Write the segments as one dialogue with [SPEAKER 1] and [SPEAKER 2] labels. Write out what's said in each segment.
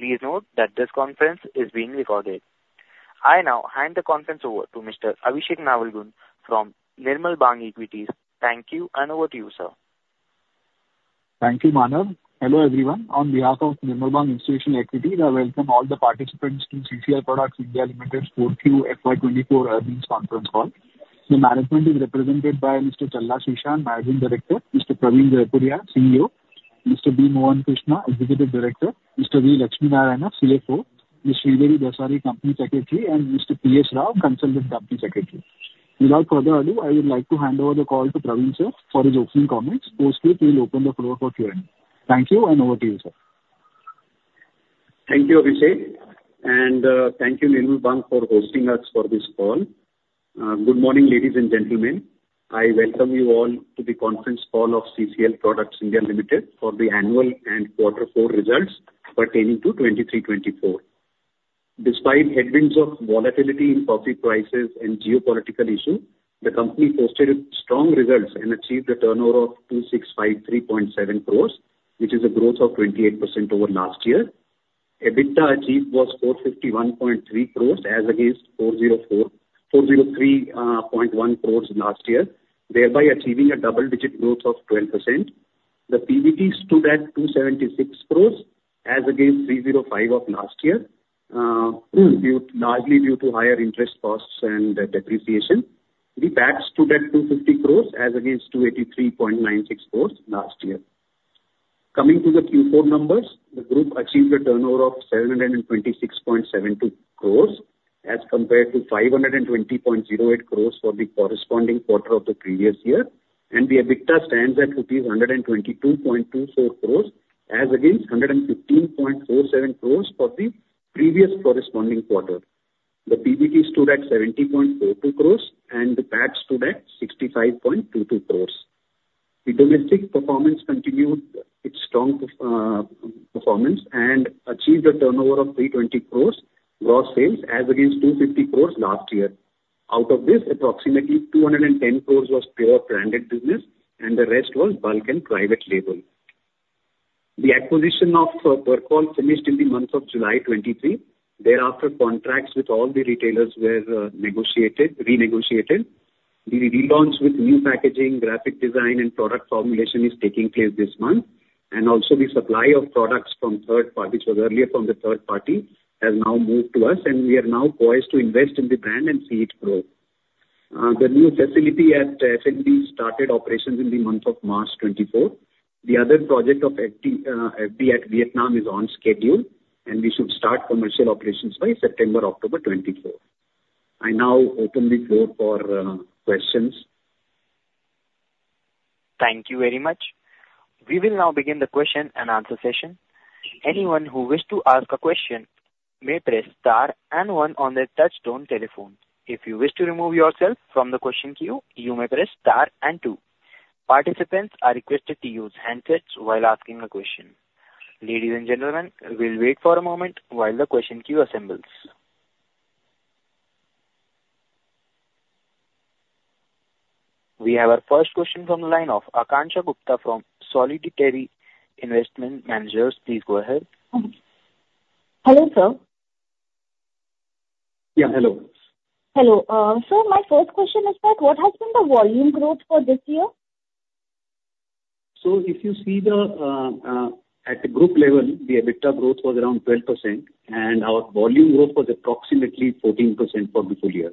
[SPEAKER 1] Please note that this conference is being recorded. I now hand the conference over to Mr. Abhishek Navalgund from Nirmal Bang Equities. Thank you, and over to you, sir.
[SPEAKER 2] Thank you, Manav. Hello everyone. On behalf of Nirmal Bang Institutional Equities, I welcome all the participants to CCL Products (India) Limited's 4Q FY 2024 earnings conference call. The management is represented by Mr. Challa Srishant, Managing Director. Mr. Praveen Jaipuriar, CEO. Mr. B. Mohan Krishna, Executive Director. Mr. V. Lakshmi Narayana, CFO. Ms. Sridevi Dasari, Company Secretary. And Mr. P. S. Rao, Consultant Company Secretary. Without further ado, I would like to hand over the call to Praveen, sir, for his opening comments, post which we'll open the floor for Q&A. Thank you, and over to you, sir.
[SPEAKER 3] Thank you, Abhishek. Thank you, Nirmal Bang, for hosting us for this call. Good morning, ladies and gentlemen. I welcome you all to the conference call of CCL Products (India) Limited for the annual and quarter-four results pertaining to 2023-2024. Despite headwinds of volatility in coffee prices and geopolitical issues, the company posted strong results and achieved a turnover of 2,653.7 crore, which is a growth of 28% over last year. EBITDA achieved was 451.3 crore as against 403.1 crore last year, thereby achieving a double-digit growth of 12%. The PBT stood at 276 crore as against 305 crore of last year, largely due to higher interest costs and depreciation. The PAT stood at 250 crore as against 283.96 crore last year. Coming to the Q4 numbers, the group achieved a turnover of 726.72 crore as compared to 520.08 crore for the corresponding quarter of the previous year, and the EBITDA stands at INR 122.24 crore as against 115.47 crore for the previous corresponding quarter. The PBT stood at 70.42 crore, and the PAT stood at 65.22 crore. The domestic performance continued its strong performance and achieved a turnover of 320 crore gross sales as against 250 crore last year. Out of this, approximately 210 crore was pure branded business, and the rest was bulk and private label. The acquisition of Percol finished in the month of July 2023. Thereafter, contracts with all the retailers were renegotiated. The relaunch with new packaging, graphic design, and product formulation is taking place this month. Also, the supply of products from third-party, which was earlier from the third-party, has now moved to us, and we are now poised to invest in the brand and see it grow. The new facility at SD started operations in the month of March 2024. The other project of FD at Vietnam is on schedule, and we should start commercial operations by September, October 2024. I now open the floor for questions.
[SPEAKER 1] Thank you very much. We will now begin the question and answer session. Anyone who wishes to ask a question may press star and one on their touch-tone telephone. If you wish to remove yourself from the question queue, you may press star and two. Participants are requested to use the handset while asking a question. Ladies and gentlemen, we'll wait for a moment while the question queue assembles. We have our first question from the line of Akansha Gupta from Solidarity Investment Managers. Please go ahead.
[SPEAKER 4] Hello, sir.
[SPEAKER 3] Yeah, hello.
[SPEAKER 4] Hello. My first question is that what has been the volume growth for this year?
[SPEAKER 3] If you see at the group level, the EBITDA growth was around 12%, and our volume growth was approximately 14% for the full year.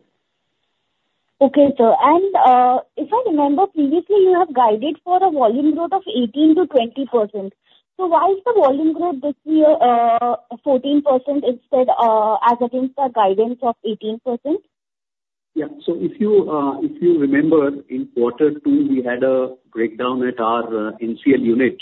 [SPEAKER 4] Okay, sir. And if I remember previously, you have guided for a volume growth of 18%-20%. So why is the volume growth this year 14% instead as against the guidance of 18%?
[SPEAKER 3] Yeah. So if you remember, in quarter two, we had a breakdown at our NCL unit,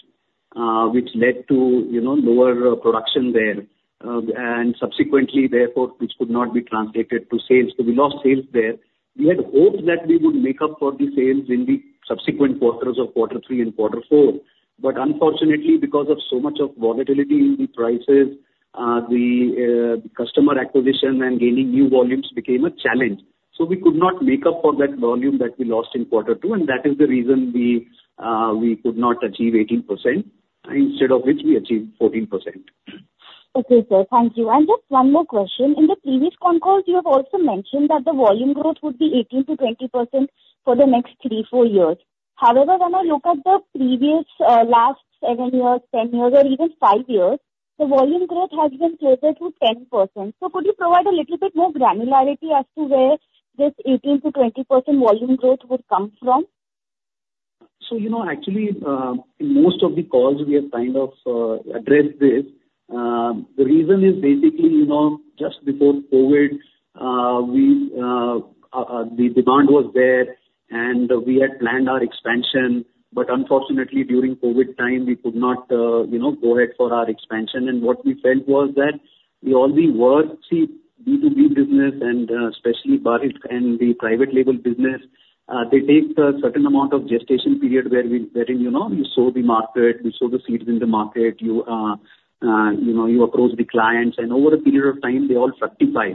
[SPEAKER 3] which led to lower production there. And subsequently, therefore, which could not be translated to sales. So we lost sales there. We had hoped that we would make up for the sales in the subsequent quarters of quarter three and quarter four. But unfortunately, because of so much volatility in the prices, the customer acquisition and gaining new volumes became a challenge. So we could not make up for that volume that we lost in quarter two, and that is the reason we could not achieve 18%, instead of which we achieved 14%.
[SPEAKER 4] Okay, sir. Thank you. Just one more question. In the previous phone calls, you have also mentioned that the volume growth would be 18%-20% for the next three to four years. However, when I look at the previous last seven years, 10 years, or even five years, the volume growth has been closer to 10%. So could you provide a little bit more granularity as to where this 18%-20% volume growth would come from?
[SPEAKER 3] So actually, in most of the calls, we have kind of addressed this. The reason is basically, just before COVID, the demand was there, and we had planned our expansion. But unfortunately, during COVID time, we could not go ahead for our expansion. And what we felt was that all the work, see, B2B business, and especially branded and the private label business, they take a certain amount of gestation period wherein you sow the market, you sow the seeds in the market, you approach the clients. And over a period of time, they all fructify.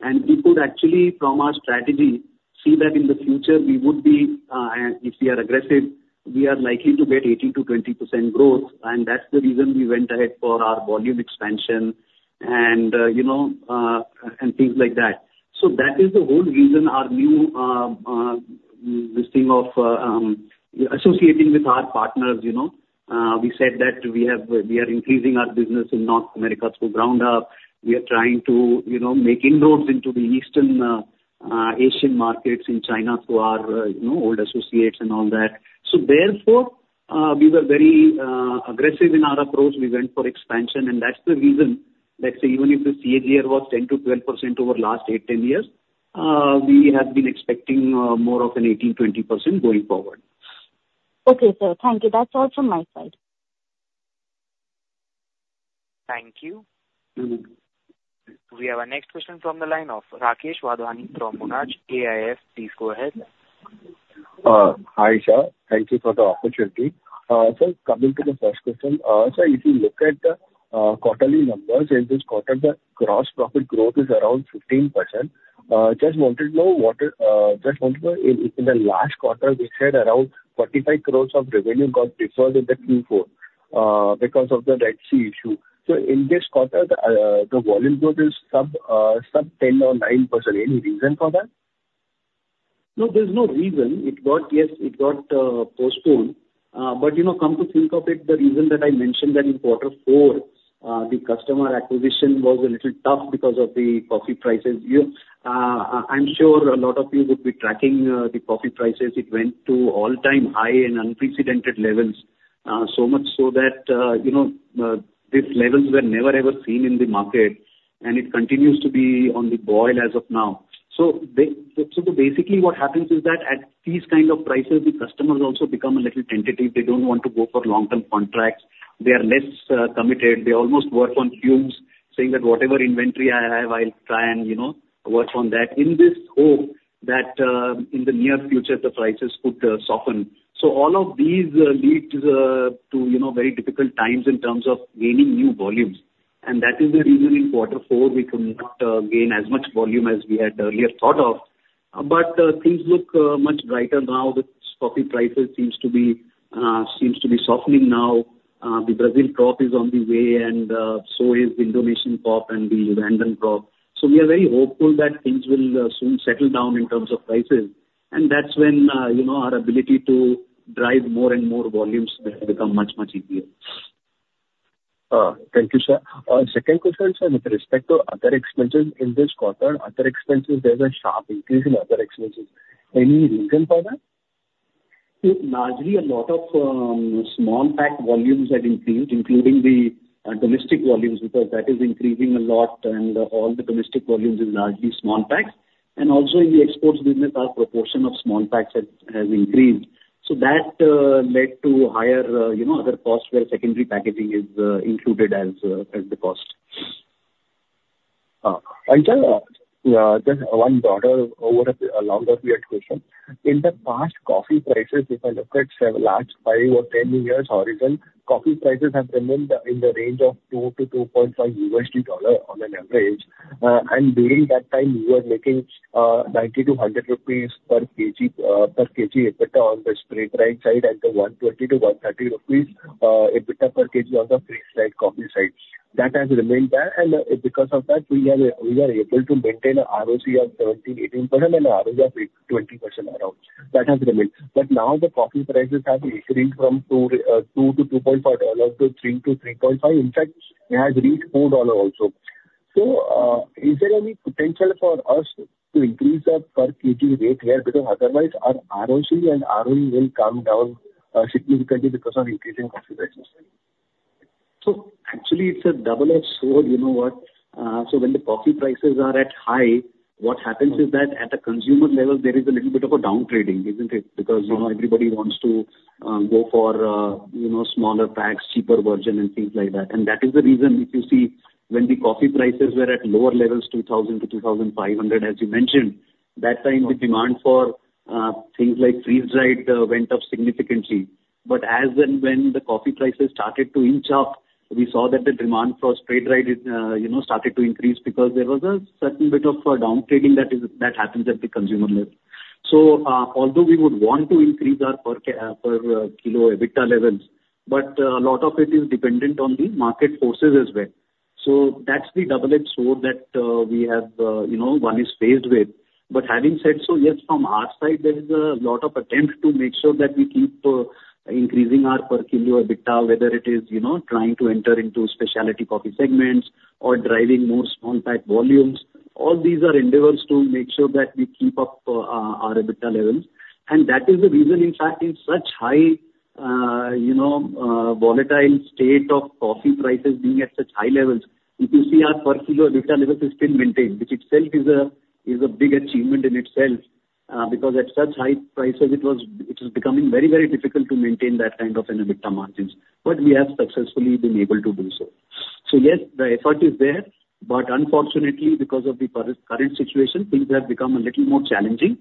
[SPEAKER 3] And we could actually, from our strategy, see that in the future, we would be—if we are aggressive—we are likely to get 18%-20% growth. And that's the reason we went ahead for our volume expansion and things like that. So that is the whole reason our new listing of associating with our partners. We said that we are increasing our business in North America through ground-up. We are trying to make inroads into the Eastern Asian markets in China through our old associates and all that. So therefore, we were very aggressive in our approach. We went for expansion. And that's the reason, let's say, even if the CAGR was 10%-12% over the last 8-10 years, we have been expecting more of an 18%-20% going forward.
[SPEAKER 4] Okay, sir. Thank you. That's all from my side.
[SPEAKER 1] Thank you. We have our next question from the line of Rakesh Wadhwani from Monarch AIF. Please go ahead.
[SPEAKER 5] Hi, sir. Thank you for the opportunity. Sir, coming to the first question, sir, if you look at the quarterly numbers, in this quarter, the gross profit growth is around 15%. Just wanted to know, in the last quarter, we said around 45 crore of revenue got deferred in the Q4 because of the Red Sea issue. So in this quarter, the volume growth is sub-10% or 9%. Any reason for that?
[SPEAKER 3] No, there's no reason. Yes, it got postponed. But come to think of it, the reason that I mentioned that in quarter four, the customer acquisition was a little tough because of the coffee prices. I'm sure a lot of you would be tracking the coffee prices. It went to all-time high and unprecedented levels, so much so that these levels were never, ever seen in the market, and it continues to be on the boil as of now. So basically, what happens is that at these kinds of prices, the customers also become a little tentative. They don't want to go for long-term contracts. They are less committed. They almost work on fumes, saying that whatever inventory I have, I'll try and work on that in this hope that in the near future, the prices could soften. All of these lead to very difficult times in terms of gaining new volumes. That is the reason in quarter four, we could not gain as much volume as we had earlier thought of. Things look much brighter now. The coffee prices seem to be softening now. The Brazil crop is on the way, and so is the Indonesian crop and the Ugandan crop. We are very hopeful that things will soon settle down in terms of prices. That's when our ability to drive more and more volumes becomes much, much easier.
[SPEAKER 5] Thank you, sir. Second question, sir, with respect to other expenses in this quarter, other expenses, there's a sharp increase in other expenses. Any reason for that?
[SPEAKER 3] Largely, a lot of small-pack volumes had increased, including the domestic volumes, because that is increasing a lot, and all the domestic volumes are largely small-packs. Also, in the exports business, our proportion of small-packs has increased. So that led to higher other costs where secondary packaging is included as the cost.
[SPEAKER 5] Just one broader longer-term question. In the past coffee prices, if I look at last 5 or 10 years horizon, coffee prices have remained in the range of $2-$2.5 on an average. And during that time, we were making 90-100 rupees per kg EBITDA on the spray-dried side and the 120-130 rupees EBITDA per kg on the freeze-dried coffee side. That has remained there. And because of that, we are able to maintain a ROC of 17%-18%, and an ROE of 20% around. That has remained. But now, the coffee prices have increased from $2-$2.4 to $3-$3.5. In fact, it has reached $4 also. So is there any potential for us to increase the per kg rate here? Because otherwise, our ROCE and ROE will come down significantly because of increasing coffee prices.
[SPEAKER 3] So actually, it's a double-edged sword. You know what? So when the coffee prices are at high, what happens is that at a consumer level, there is a little bit of a downtrading, isn't it? Because everybody wants to go for smaller packs, cheaper version, and things like that. And that is the reason, if you see, when the coffee prices were at lower levels, 2,000-2,500, as you mentioned, that time, the demand for things like freeze-dried went up significantly. But as and when the coffee prices started to inch up, we saw that the demand for spray-dried started to increase because there was a certain bit of downtrading that happens at the consumer level. So although we would want to increase our per-kilo EBITDA levels, a lot of it is dependent on the market forces as well. So that's the double-edged sword that we have one is faced with. But having said so, yes, from our side, there is a lot of attempt to make sure that we keep increasing our per-kilo EBITDA, whether it is trying to enter into specialty coffee segments or driving more small-pack volumes. All these are endeavors to make sure that we keep up our EBITDA levels. And that is the reason, in fact, in such high volatile state of coffee prices being at such high levels, if you see, our per-kilo EBITDA level is still maintained, which itself is a big achievement in itself because at such high prices, it is becoming very, very difficult to maintain that kind of an EBITDA margin. But we have successfully been able to do so. So yes, the effort is there. But unfortunately, because of the current situation, things have become a little more challenging.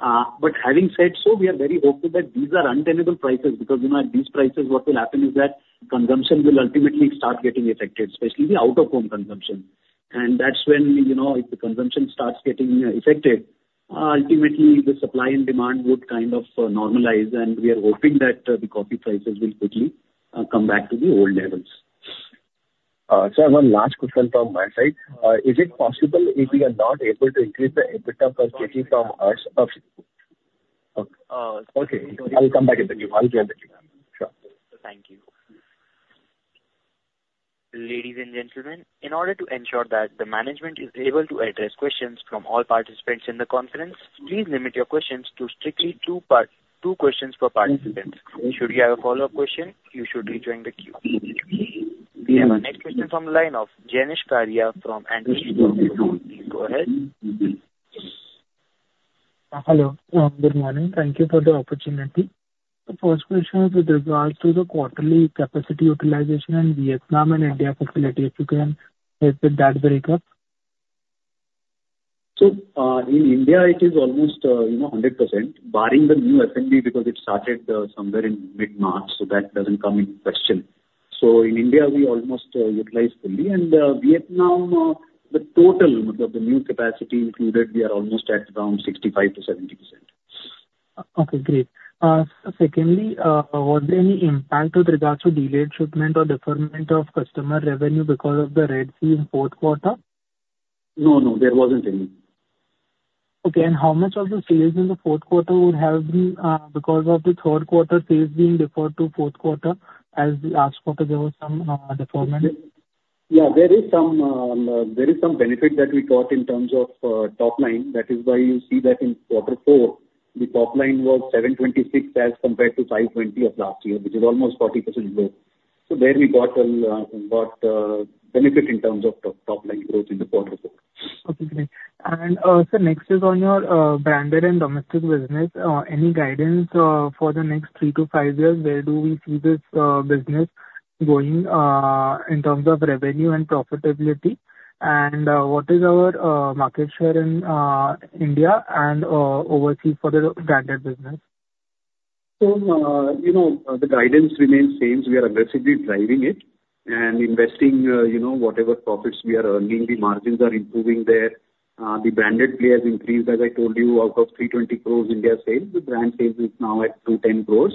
[SPEAKER 3] But having said so, we are very hopeful that these are untenable prices because at these prices, what will happen is that consumption will ultimately start getting affected, especially the out-of-home consumption. And that's when, if the consumption starts getting affected, ultimately, the supply and demand would kind of normalize. And we are hoping that the coffee prices will quickly come back to the old levels.
[SPEAKER 5] Sir, one last question from my side. Is it possible if we are not able to increase the EBITDA per kg from us? Okay. I'll come back at the Q. I'll join the Q. Sure.
[SPEAKER 1] Thank you. Ladies and gentlemen, in order to ensure that the management is able to address questions from all participants in the conference, please limit your questions to strictly two questions per participant. Should you have a follow-up question, you should rejoin the Q. We have our next question from the line of Jenish Karia from Antique Stock Broking. Please go ahead.
[SPEAKER 6] Hello. Good morning. Thank you for the opportunity. The first question is with regard to the quarterly capacity utilization in Vietnam and India facility. If you can help with that breakup.
[SPEAKER 3] So in India, it is almost 100%, barring the new SD because it started somewhere in mid-March, so that doesn't come in question. So in India, we almost utilize fully. And Vietnam, the total, I mean, of the new capacity included, we are almost at around 65%-70%.
[SPEAKER 6] Okay, great. Secondly, was there any impact with regard to delayed shipment or deferment of customer revenue because of the Red Sea in fourth quarter?
[SPEAKER 3] No, no. There wasn't any.
[SPEAKER 6] Okay. And how much of the sales in the fourth quarter would have been because of the third quarter sales being deferred to fourth quarter as last quarter, there was some deferment?
[SPEAKER 3] Yeah, there is some benefit that we got in terms of top line. That is why you see that in quarter four, the top line was 726 as compared to 520 of last year, which is almost 40% lower. So there, we got benefit in terms of top line growth in the quarter four.
[SPEAKER 6] Okay, great. Sir, next is on your branded and domestic business. Any guidance for the next 3-5 years? Where do we see this business going in terms of revenue and profitability? And what is our market share in India and overseas for the branded business?
[SPEAKER 3] The guidance remains the same. We are aggressively driving it and investing whatever profits we are earning. The margins are improving there. The branded play has increased, as I told you, out of 320 crore India sales. The brand sales is now at 210 crore.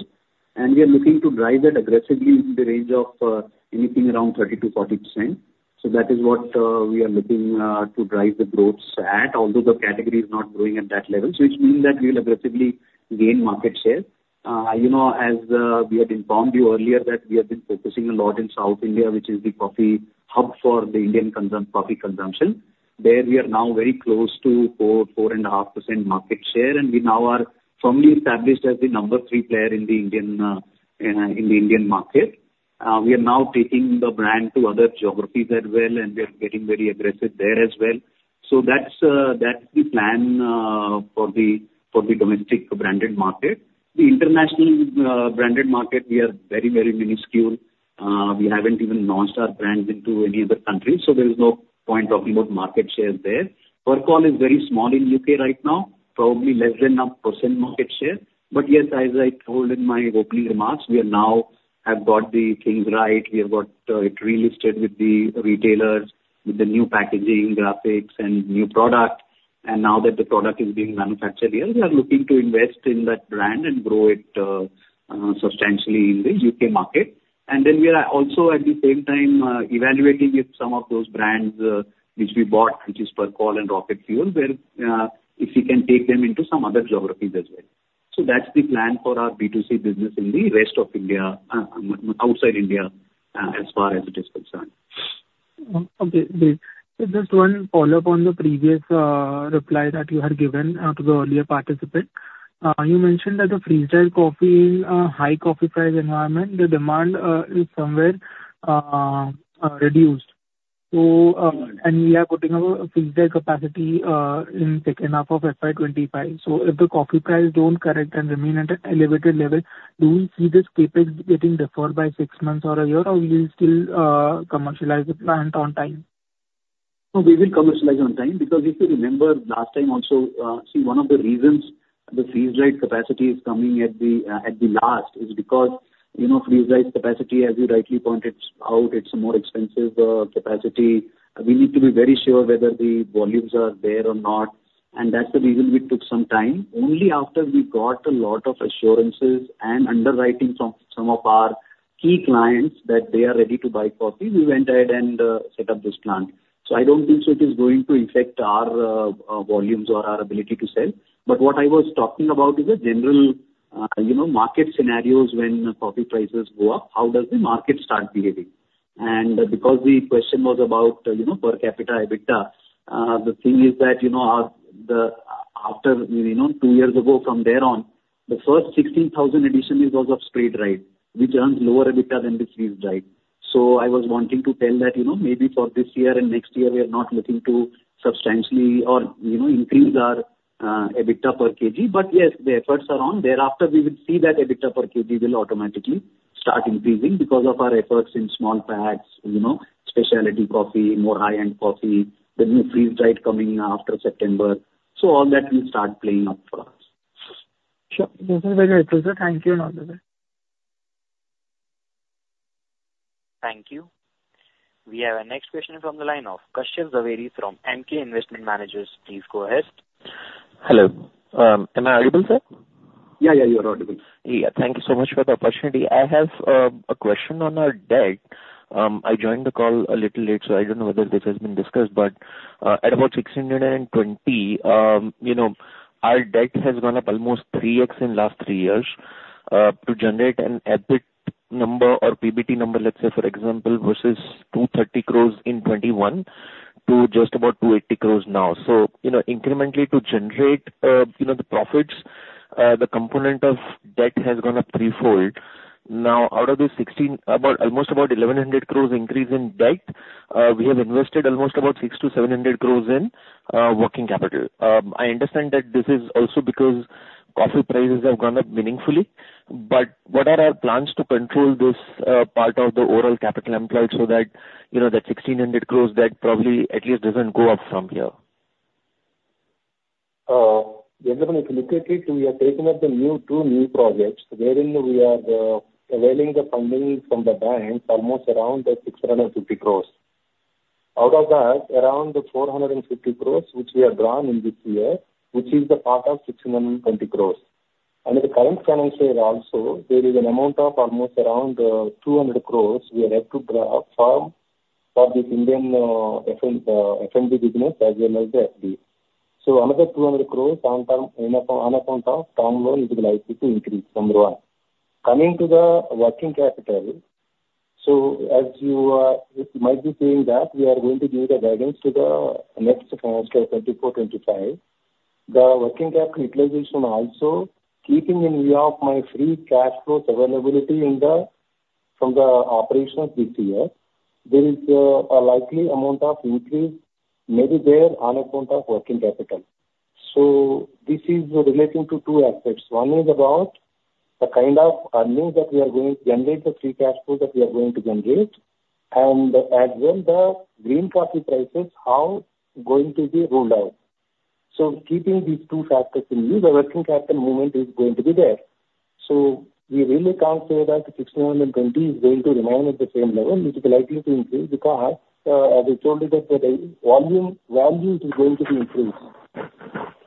[SPEAKER 3] And we are looking to drive that aggressively in the range of anything around 30%-40%. So that is what we are looking to drive the growth at, although the category is not growing at that level, which means that we will aggressively gain market share. As we had informed you earlier, we have been focusing a lot in South India, which is the coffee hub for the Indian coffee consumption. There, we are now very close to 4.5% market share. And we now are firmly established as the number three player in the Indian market. We are now taking the brand to other geographies as well, and we are getting very aggressive there as well. So that's the plan for the domestic branded market. The international branded market, we are very, very minuscule. We haven't even launched our brands into any other countries, so there is no point talking about market share there. Our share is very small in U.K. right now, probably less than 1% market share. But yes, as I told in my opening remarks, we now have got the things right. We have got it relisted with the retailers, with the new packaging, graphics, and new product. And now that the product is being manufactured here, we are looking to invest in that brand and grow it substantially in the U.K. market. And then we are also, at the same time, evaluating if some of those brands which we bought, which is Percol and Rocket Fuel, if we can take them into some other geographies as well. So that's the plan for our B2C business in the rest of India, outside India, as far as it is concerned.
[SPEAKER 6] Okay, great. Just one follow-up on the previous reply that you had given to the earlier participant. You mentioned that the freeze-dried coffee in a high coffee price environment, the demand is somewhere reduced. And we are putting up a freeze-dried capacity in second half of FY 2025. So if the coffee prices don't correct and remain at an elevated level, do we see this CapEx getting deferred by six months or a year, or will you still commercialize the plant on time?
[SPEAKER 3] No, we will commercialize on time because if you remember last time also, see, one of the reasons the freeze-dried capacity is coming at the last is because freeze-dried capacity, as you rightly pointed out, it's a more expensive capacity. We need to be very sure whether the volumes are there or not. And that's the reason we took some time. Only after we got a lot of assurances and underwriting from some of our key clients that they are ready to buy coffee, we went ahead and set up this plant. So I don't think so it is going to affect our volumes or our ability to sell. But what I was talking about is a general market scenarios when coffee prices go up. How does the market start behaving? Because the question was about per kg EBITDA, the thing is that after two years ago, from there on, the first 16,000 tonnes was of spray-dried, which earns lower EBITDA than the freeze-dried. So I was wanting to tell that maybe for this year and next year, we are not looking to substantially increase our EBITDA per kg. But yes, the efforts are on. Thereafter, we will see that EBITDA per kg will automatically start increasing because of our efforts in small packs, specialty coffee, more high-end coffee, the new freeze-dried coming after September. So all that will start playing out for us.
[SPEAKER 6] Sure. That's very good, sir. Thank you and all the best.
[SPEAKER 1] Thank you. We have a next question from the line of Kashyap Javeri from Emkay Investment Managers. Please go ahead.
[SPEAKER 7] Hello. Am I audible, sir?
[SPEAKER 3] Yeah, yeah, you are audible.
[SPEAKER 7] Yeah. Thank you so much for the opportunity. I have a question on our debt. I joined the call a little late, so I don't know whether this has been discussed. But at about 1,620 crore, our debt has gone up almost 3x in the last three years to generate an EBIT number or PBT number, let's say, for example, versus 230 crore in 2021 to just about 280 crore now. So incrementally, to generate the profits, the component of debt has gone up threefold. Now, out of this almost about 1,100 crore increase in debt, we have invested almost about 600-700 crore in working capital. I understand that this is also because coffee prices have gone up meaningfully. But what are our plans to control this part of the overall capital employed so that that 1,600 crore debt probably at least doesn't go up from here?
[SPEAKER 8] Gentlemen, if you look at it, we are taking up the 2 new projects wherein we are availing the funding from the banks almost around 650 crore. Out of that, around the 450 crore, which we have drawn in this year, which is the part of 620 crore. And in the current financial year also, there is an amount of almost around 200 crore we have to draw for this Indian F&B business as well as the FD. So another INR 200 crore on account of term loan is likely to increase, number one. Coming to the working capital, so as you might be seeing that, we are going to give the guidance to the next financial year, 2024-2025. The working capital utilization also, keeping in view of my free cash flows availability from the operations this year, there is a likely amount of increase maybe there on account of working capital. This is relating to two aspects. One is about the kind of earnings that we are going to generate, the free cash flow that we are going to generate, and as well the green coffee prices, how going to be rolled out. Keeping these two factors in view, the working capital movement is going to be there. We really can't say that 1,620 is going to remain at the same level, which is likely to increase because, as I told you there, the volume value is going to be increased.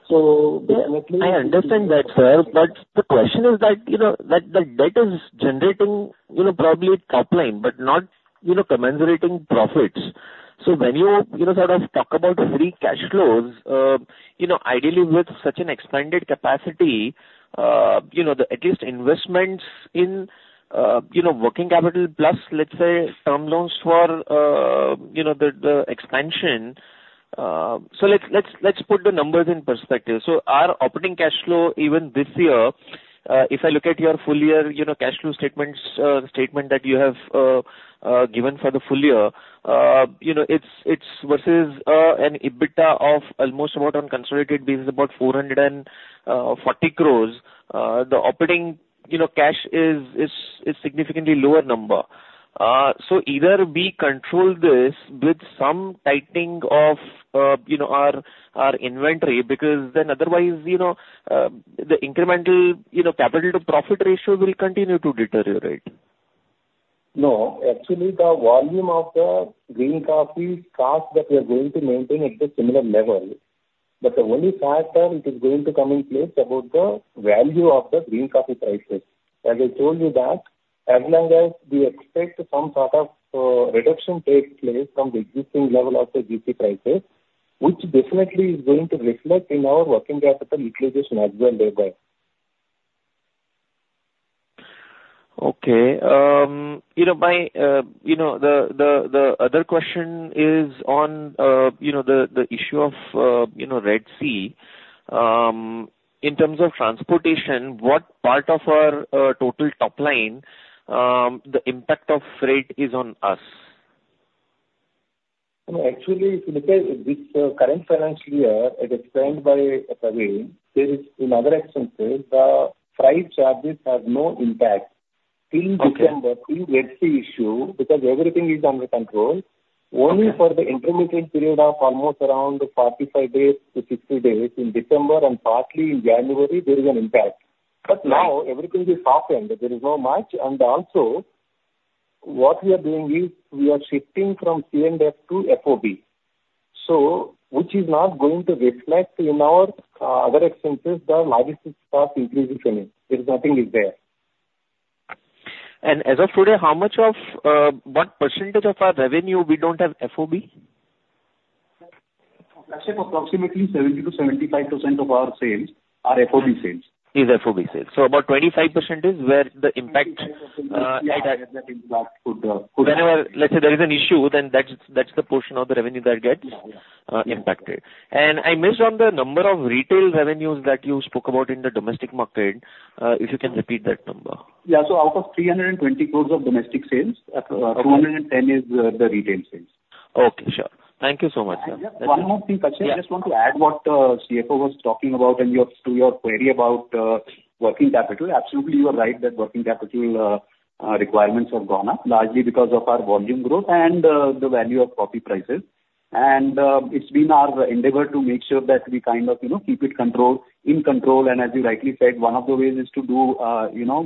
[SPEAKER 7] Definitely. I understand that, sir. But the question is that the debt is generating probably top line but not commensurating profits. So when you sort of talk about free cash flows, ideally, with such an expanded capacity, at least investments in working capital plus, let's say, term loans for the expansion so let's put the numbers in perspective. So our operating cash flow, even this year, if I look at your full year cash flow statement that you have given for the full year, it's versus an EBITDA of almost about on consolidated basis, about 440 crore, the operating cash is a significantly lower number. So either we control this with some tightening of our inventory because then otherwise, the incremental capital-to-profit ratio will continue to deteriorate.
[SPEAKER 8] No, actually, the volume of the green coffee cost that we are going to maintain at the similar level. But the only factor it is going to come in place is about the value of the green coffee prices. As I told you that, as long as we expect some sort of reduction takes place from the existing level of the GC prices, which definitely is going to reflect in our working capital utilization as well thereby.
[SPEAKER 7] Okay. The other question is on the issue of Red Sea. In terms of transportation, what part of our total top line, the impact of freight, is on us?
[SPEAKER 8] Actually, if you look at this current financial year as explained by Praveen, there is another expense. The freight charges have no impact till December, till Red Sea issue because everything is under control. Only for the intermittent period of almost around 45-60 days in December and partly in January, there is an impact. But now, everything is softened. There is not much. And also, what we are doing is we are shifting from CNF to FOB, which is not going to reflect in our other expenses the largest increase if any. There is nothing there.
[SPEAKER 7] As of today, what percentage of our revenue we don't have FOB?
[SPEAKER 3] Kashyap, approximately 70%-75% of our sales are FOB sales.
[SPEAKER 7] It's FOB sales. So about 25% is where the impact could. Whenever, let's say, there is an issue, then that's the portion of the revenue that gets impacted. And I missed on the number of retail revenues that you spoke about in the domestic market. If you can repeat that number.
[SPEAKER 3] Yeah. So out of 320 crore of domestic sales, 210 crore is the retail sales.
[SPEAKER 7] Okay, sure. Thank you so much, sir.
[SPEAKER 3] One more thing, Kashyap. I just want to add what CFO was talking about to your query about working capital. Absolutely, you are right that working capital requirements have gone up largely because of our volume growth and the value of coffee prices. It's been our endeavor to make sure that we kind of keep it in control. As you rightly said, one of the ways is to do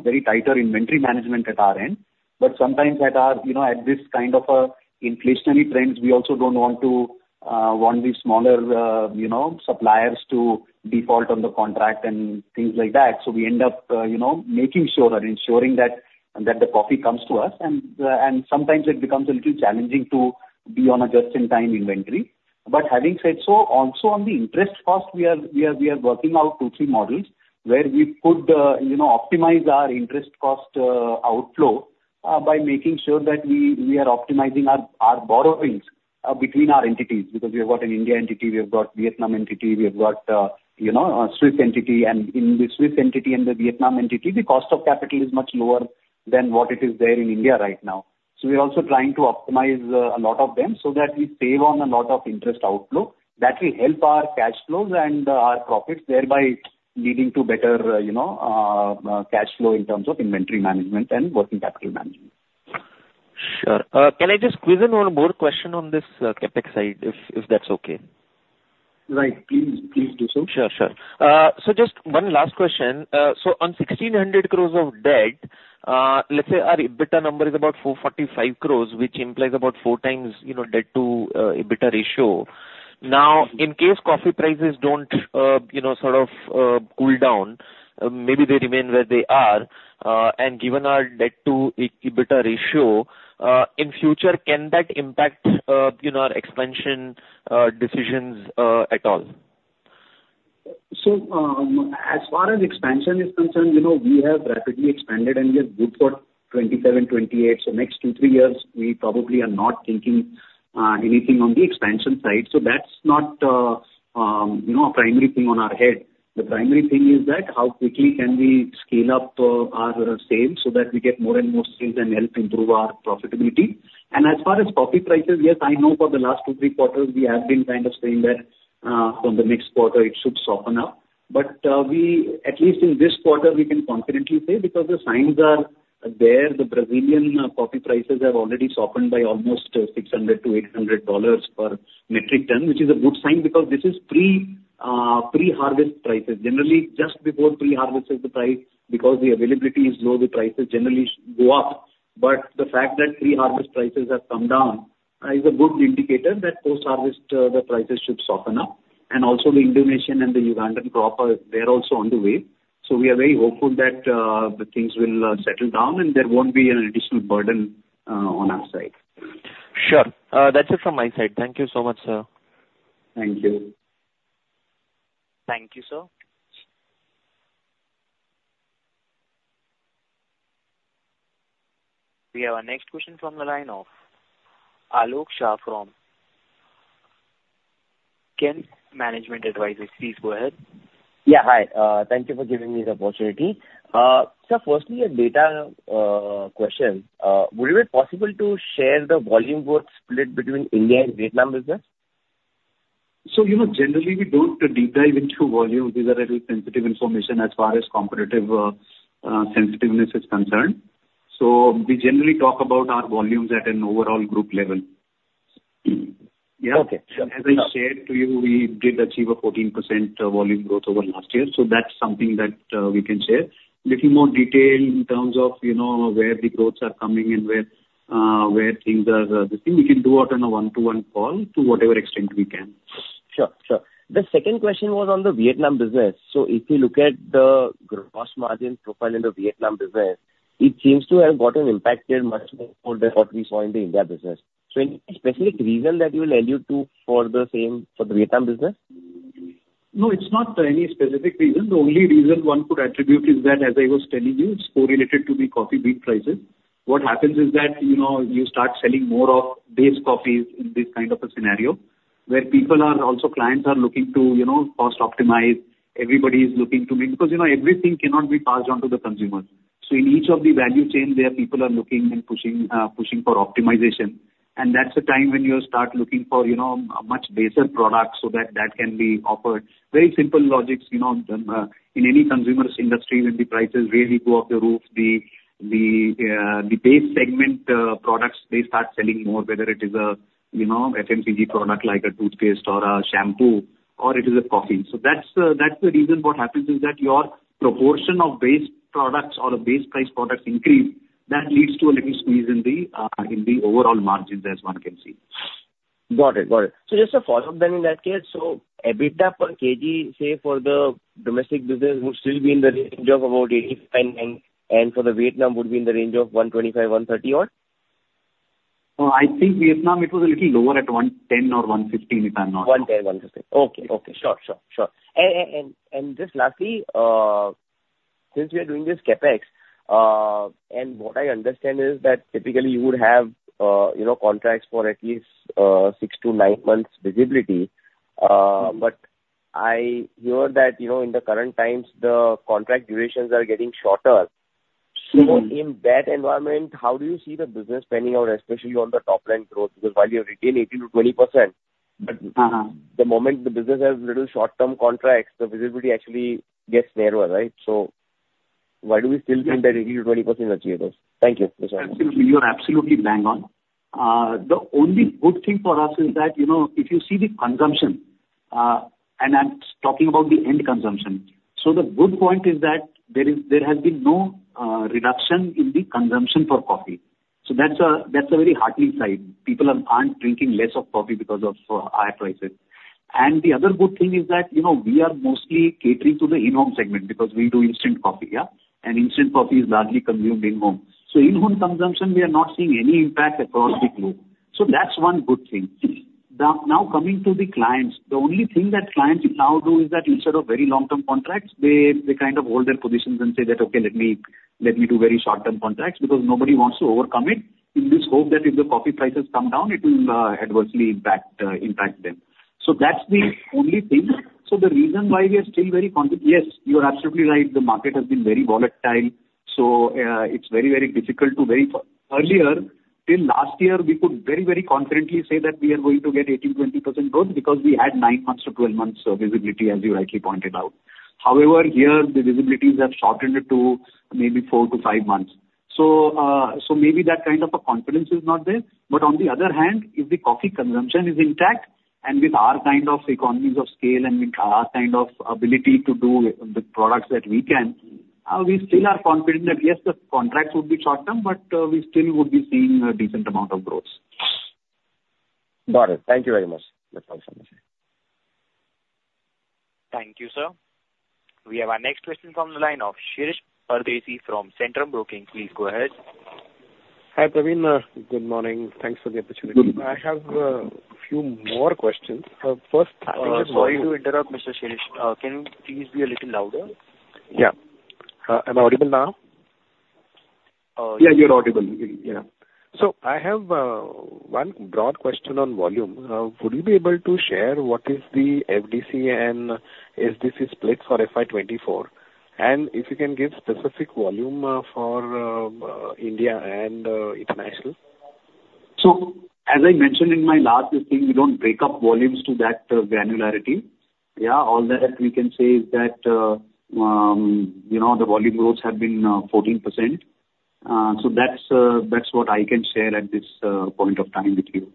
[SPEAKER 3] very tighter inventory management at our end. But sometimes at this kind of inflationary trends, we also don't want these smaller suppliers to default on the contract and things like that. So we end up making sure and ensuring that the coffee comes to us. And sometimes it becomes a little challenging to be on a just-in-time inventory. But having said so, also on the interest cost, we are working out 2, 3 models where we optimize our interest cost outflow by making sure that we are optimizing our borrowings between our entities because we have got an India entity. We have got a Vietnam entity. We have got a Swiss entity. And in the Swiss entity and the Vietnam entity, the cost of capital is much lower than what it is there in India right now. So we are also trying to optimize a lot of them so that we save on a lot of interest outflow that will help our cash flows and our profits, thereby leading to better cash flow in terms of inventory management and working capital management.
[SPEAKER 7] Sure. Can I just squeeze in one more question on this CapEx side, if that's okay?
[SPEAKER 3] Right. Please, please do so.
[SPEAKER 7] Sure, sure. So just one last question. So on 1,600 crore of debt, let's say our EBITDA number is about 445 crore, which implies about four times debt-to-EBITDA ratio. Now, in case coffee prices don't sort of cool down, maybe they remain where they are. Given our debt-to-EBITDA ratio, in future, can that impact our expansion decisions at all?
[SPEAKER 3] So as far as expansion is concerned, we have rapidly expanded, and we are good for 2027, 2028. So next two, three years, we probably are not thinking anything on the expansion side. So that's not a primary thing on our head. The primary thing is how quickly can we scale up our sales so that we get more and more sales and help improve our profitability. And as far as coffee prices, yes, I know for the last two, three quarters, we have been kind of saying that from the next quarter, it should soften up. But at least in this quarter, we can confidently say because the signs are there, the Brazilian coffee prices have already softened by almost $600-$800 per metric ton, which is a good sign because this is pre-harvest prices. Generally, just before pre-harvest is the price because the availability is low, the prices generally go up. But the fact that pre-harvest prices have come down is a good indicator that post-harvest, the prices should soften up. And also, the Indonesian and the Ugandan crop, they're also on the way. So we are very hopeful that things will settle down, and there won't be an additional burden on our side.
[SPEAKER 7] Sure. That's it from my side. Thank you so much, sir.
[SPEAKER 3] Thank you.
[SPEAKER 1] Thank you, sir. We have our next question from the line of Alok Shah from SKEGEN Management Advisors. Please go ahead.
[SPEAKER 9] Yeah. Hi. Thank you for giving me this opportunity. Sir, firstly, a data question. Would it be possible to share the volume growth split between India and Vietnam business?
[SPEAKER 3] So generally, we don't deep dive into volume. These are a little sensitive information as far as competitive sensitiveness is concerned. So we generally talk about our volumes at an overall group level. Yeah. As I shared to you, we did achieve a 14% volume growth over last year. So that's something that we can share. A little more detail in terms of where the growths are coming and where things are existing, we can do out on a one-to-one call to whatever extent we can.
[SPEAKER 9] Sure, sure. The second question was on the Vietnam business. So if you look at the gross margin profile in the Vietnam business, it seems to have gotten impacted much more than what we saw in the India business. So any specific reason that you will allude to for the Vietnam business?
[SPEAKER 3] No, it's not any specific reason. The only reason one could attribute is that, as I was telling you, it's correlated to the coffee bean prices. What happens is that you start selling more of these coffees in this kind of a scenario where people are also clients are looking to cost-optimize. Everybody is looking to mean because everything cannot be passed on to the consumers. So in each of the value chain, there are people are looking and pushing for optimization. And that's the time when you start looking for a much baser product so that that can be offered. Very simple logics. In any consumer's industry, when the prices really go off the roof, the base segment products, they start selling more, whether it is an FMCG product like a toothpaste or a shampoo or it is a coffee. That's the reason what happens is that your proportion of base products or base-priced products increase. That leads to a little squeeze in the overall margins, as one can see.
[SPEAKER 9] Got it. Got it. So just to follow up then in that case, so EBITDA per kg, say, for the domestic business would still be in the range of about 85 and for the Vietnam would be in the range of 125-130-odd?
[SPEAKER 3] I think Vietnam, it was a little lower at 110 or 115, if I'm not mistaken.
[SPEAKER 9] 110, 115. Okay, okay. Sure, sure, sure. And just lastly, since we are doing this CapEx, and what I understand is that typically, you would have contracts for at least six to nine months visibility. But I hear that in the current times, the contract durations are getting shorter. So in that environment, how do you see the business panning out, especially on the top line growth? Because while you retain 18%-20%, but the moment the business has little short-term contracts, the visibility actually gets narrower, right? So why do we still think that 18%-20% is achievable? Thank you.
[SPEAKER 3] Absolutely. You are absolutely bang on. The only good thing for us is that if you see the consumption and I'm talking about the end consumption. So the good point is that there has been no reduction in the consumption for coffee. So that's a very heartening side. People aren't drinking less of coffee because of higher prices. And the other good thing is that we are mostly catering to the in-home segment because we do instant coffee, yeah? And instant coffee is largely consumed in home. So in-home consumption, we are not seeing any impact across the globe. So that's one good thing. Now, coming to the clients, the only thing that clients now do is that instead of very long-term contracts, they kind of hold their positions and say that, "Okay, let me do very short-term contracts," because nobody wants to overcome it in this hope that if the coffee prices come down, it will adversely impact them. So that's the only thing. So the reason why we are still very yes, you are absolutely right. The market has been very volatile. So it's very, very difficult to very earlier, till last year, we could very, very confidently say that we are going to get 18%-20% growth because we had 9-12 months visibility, as you rightly pointed out. However, here, the visibilities have shortened it to maybe four to five months. So maybe that kind of a confidence is not there. But on the other hand, if the coffee consumption is intact and with our kind of economies of scale and with our kind of ability to do the products that we can, we still are confident that, yes, the contracts would be short-term, but we still would be seeing a decent amount of growth.
[SPEAKER 9] Got it. Thank you very much, Mr. Jaipuriar.
[SPEAKER 1] Thank you, sir. We have our next question from the line of Shirish Pardeshi from Centrum Broking. Please go ahead.
[SPEAKER 10] Hi, Praveen. Good morning. Thanks for the opportunity. I have a few more questions. First, I just want to.
[SPEAKER 2] Sorry to interrupt, Mr. Shirish. Can you please be a little louder?
[SPEAKER 10] Yeah. Am I audible now?
[SPEAKER 2] Yeah, you're audible. Yeah.
[SPEAKER 10] I have one broad question on volume. Would you be able to share what is the FDC and SDC split for FY 2024? And if you can give specific volume for India and international?
[SPEAKER 3] As I mentioned in my last thing, we don't break up volumes to that granularity. Yeah. All that we can say is that the volume growths have been 14%. That's what I can share at this point of time with you.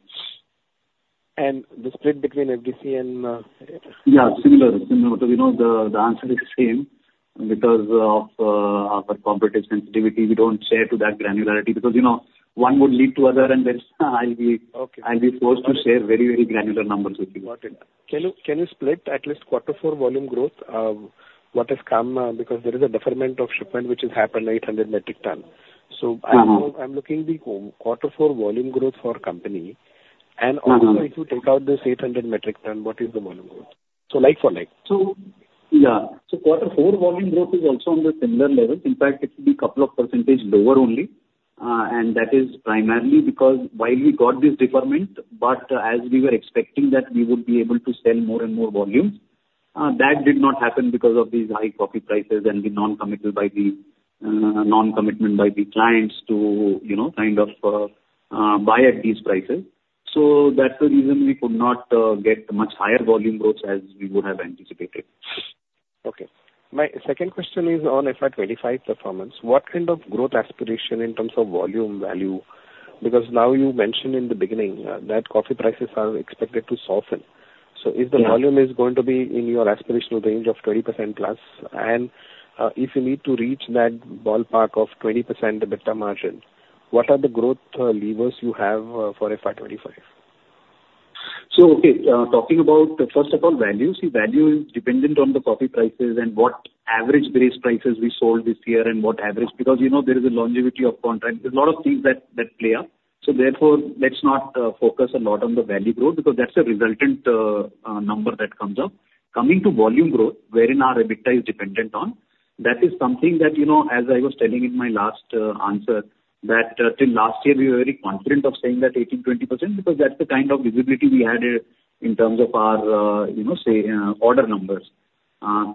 [SPEAKER 10] The split between FDC and.
[SPEAKER 3] Yeah, similar. Similar. Because the answer is the same because of our competitive sensitivity. We don't share to that granularity because one would lead to other, and then I'll be forced to share very, very granular numbers with you.
[SPEAKER 10] Got it. Can you split at least quarter four volume growth? What has come because there is a deferment of shipment which has happened, 800 metric tonnes. So I'm looking at the quarter four volume growth for a company. And also, if you take out this 800 metric tonnes, what is the volume growth? So leg for leg.
[SPEAKER 3] Yeah. Quarter four volume growth is also on the similar level. In fact, it could be a couple of percentage lower only. That is primarily because while we got this deferment, but as we were expecting that we would be able to sell more and more volumes, that did not happen because of these high coffee prices and the non-commitment by the clients to kind of buy at these prices. That's the reason we could not get much higher volume growths as we would have anticipated.
[SPEAKER 10] Okay. My second question is on FI25 performance. What kind of growth aspiration in terms of volume value? Because now you mentioned in the beginning that coffee prices are expected to soften. So if the volume is going to be in your aspirational range of 20%+, and if you need to reach that ballpark of 20% EBITDA margin, what are the growth levers you have for FI25?
[SPEAKER 3] So okay. Talking about, first of all, value, see, value is dependent on the coffee prices and what average base prices we sold this year and what average because there is a longevity of contract. There's a lot of things that play up. So therefore, let's not focus a lot on the value growth because that's a resultant number that comes up. Coming to volume growth, wherein our EBITDA is dependent on, that is something that, as I was telling in my last answer, that till last year, we were very confident of saying that 18%-20% because that's the kind of visibility we had in terms of our, say, order numbers.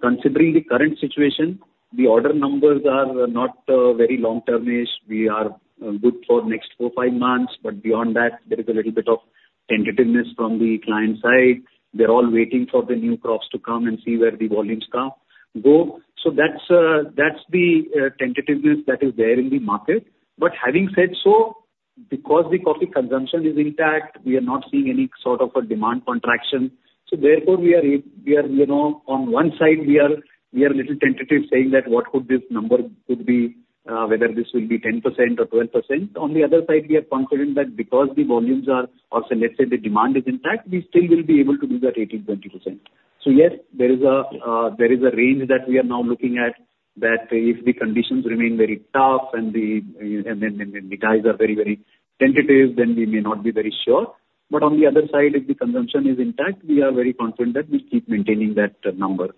[SPEAKER 3] Considering the current situation, the order numbers are not very long-term-ish. We are good for next four to five months. But beyond that, there is a little bit of tentativeness from the client side. They're all waiting for the new crops to come and see where the volumes go. So that's the tentativeness that is there in the market. But having said so, because the coffee consumption is intact, we are not seeing any sort of a demand contraction. So therefore, we are on one side, we are a little tentative saying that what could this number could be, whether this will be 10% or 12%. On the other side, we are confident that because the volumes are or let's say the demand is intact, we still will be able to do that 18%-20%. So yes, there is a range that we are now looking at that if the conditions remain very tough and then the guys are very, very tentative, then we may not be very sure. But on the other side, if the consumption is intact, we are very confident that we keep maintaining that number.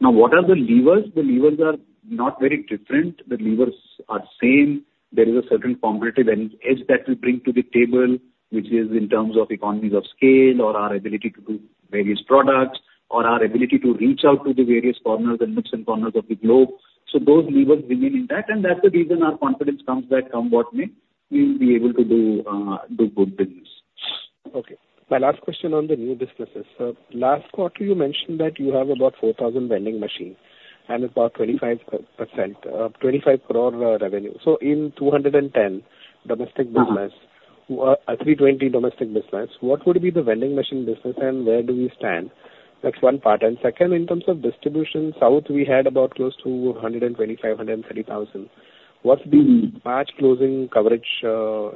[SPEAKER 3] Now, what are the levers? The levers are not very different. The levers are same. There is a certain competitive edge that we bring to the table, which is in terms of economies of scale or our ability to do various products or our ability to reach out to the various corners and nooks and corners of the globe. So those levers remain intact. And that's the reason our confidence comes back, come what may. We will be able to do good business.
[SPEAKER 10] Okay. My last question on the new businesses. Last quarter, you mentioned that you have about 4,000 vending machines and about 25%, 25 crore revenue. In 210 domestic business, 320 domestic business, what would be the vending machine business, and where do we stand? That's one part. Second, in terms of distribution, South, we had about close to 125,000-130,000. What's the March closing coverage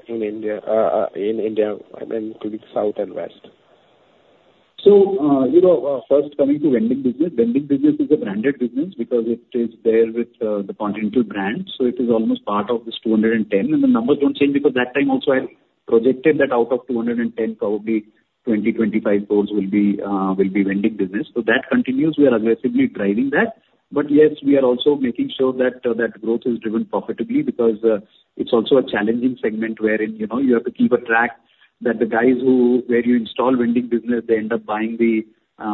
[SPEAKER 10] in India and in the South and West?
[SPEAKER 3] So first, coming to vending business, vending business is a branded business because it is there with the Continental brand. So it is almost part of this 210 crore. And the numbers don't change because that time also, I projected that out of 210 crore, probably 20-25 crore will be vending business. So that continues. We are aggressively driving that. But yes, we are also making sure that that growth is driven profitably because it's also a challenging segment wherein you have to keep a track that the guys where you install vending business, they end up buying the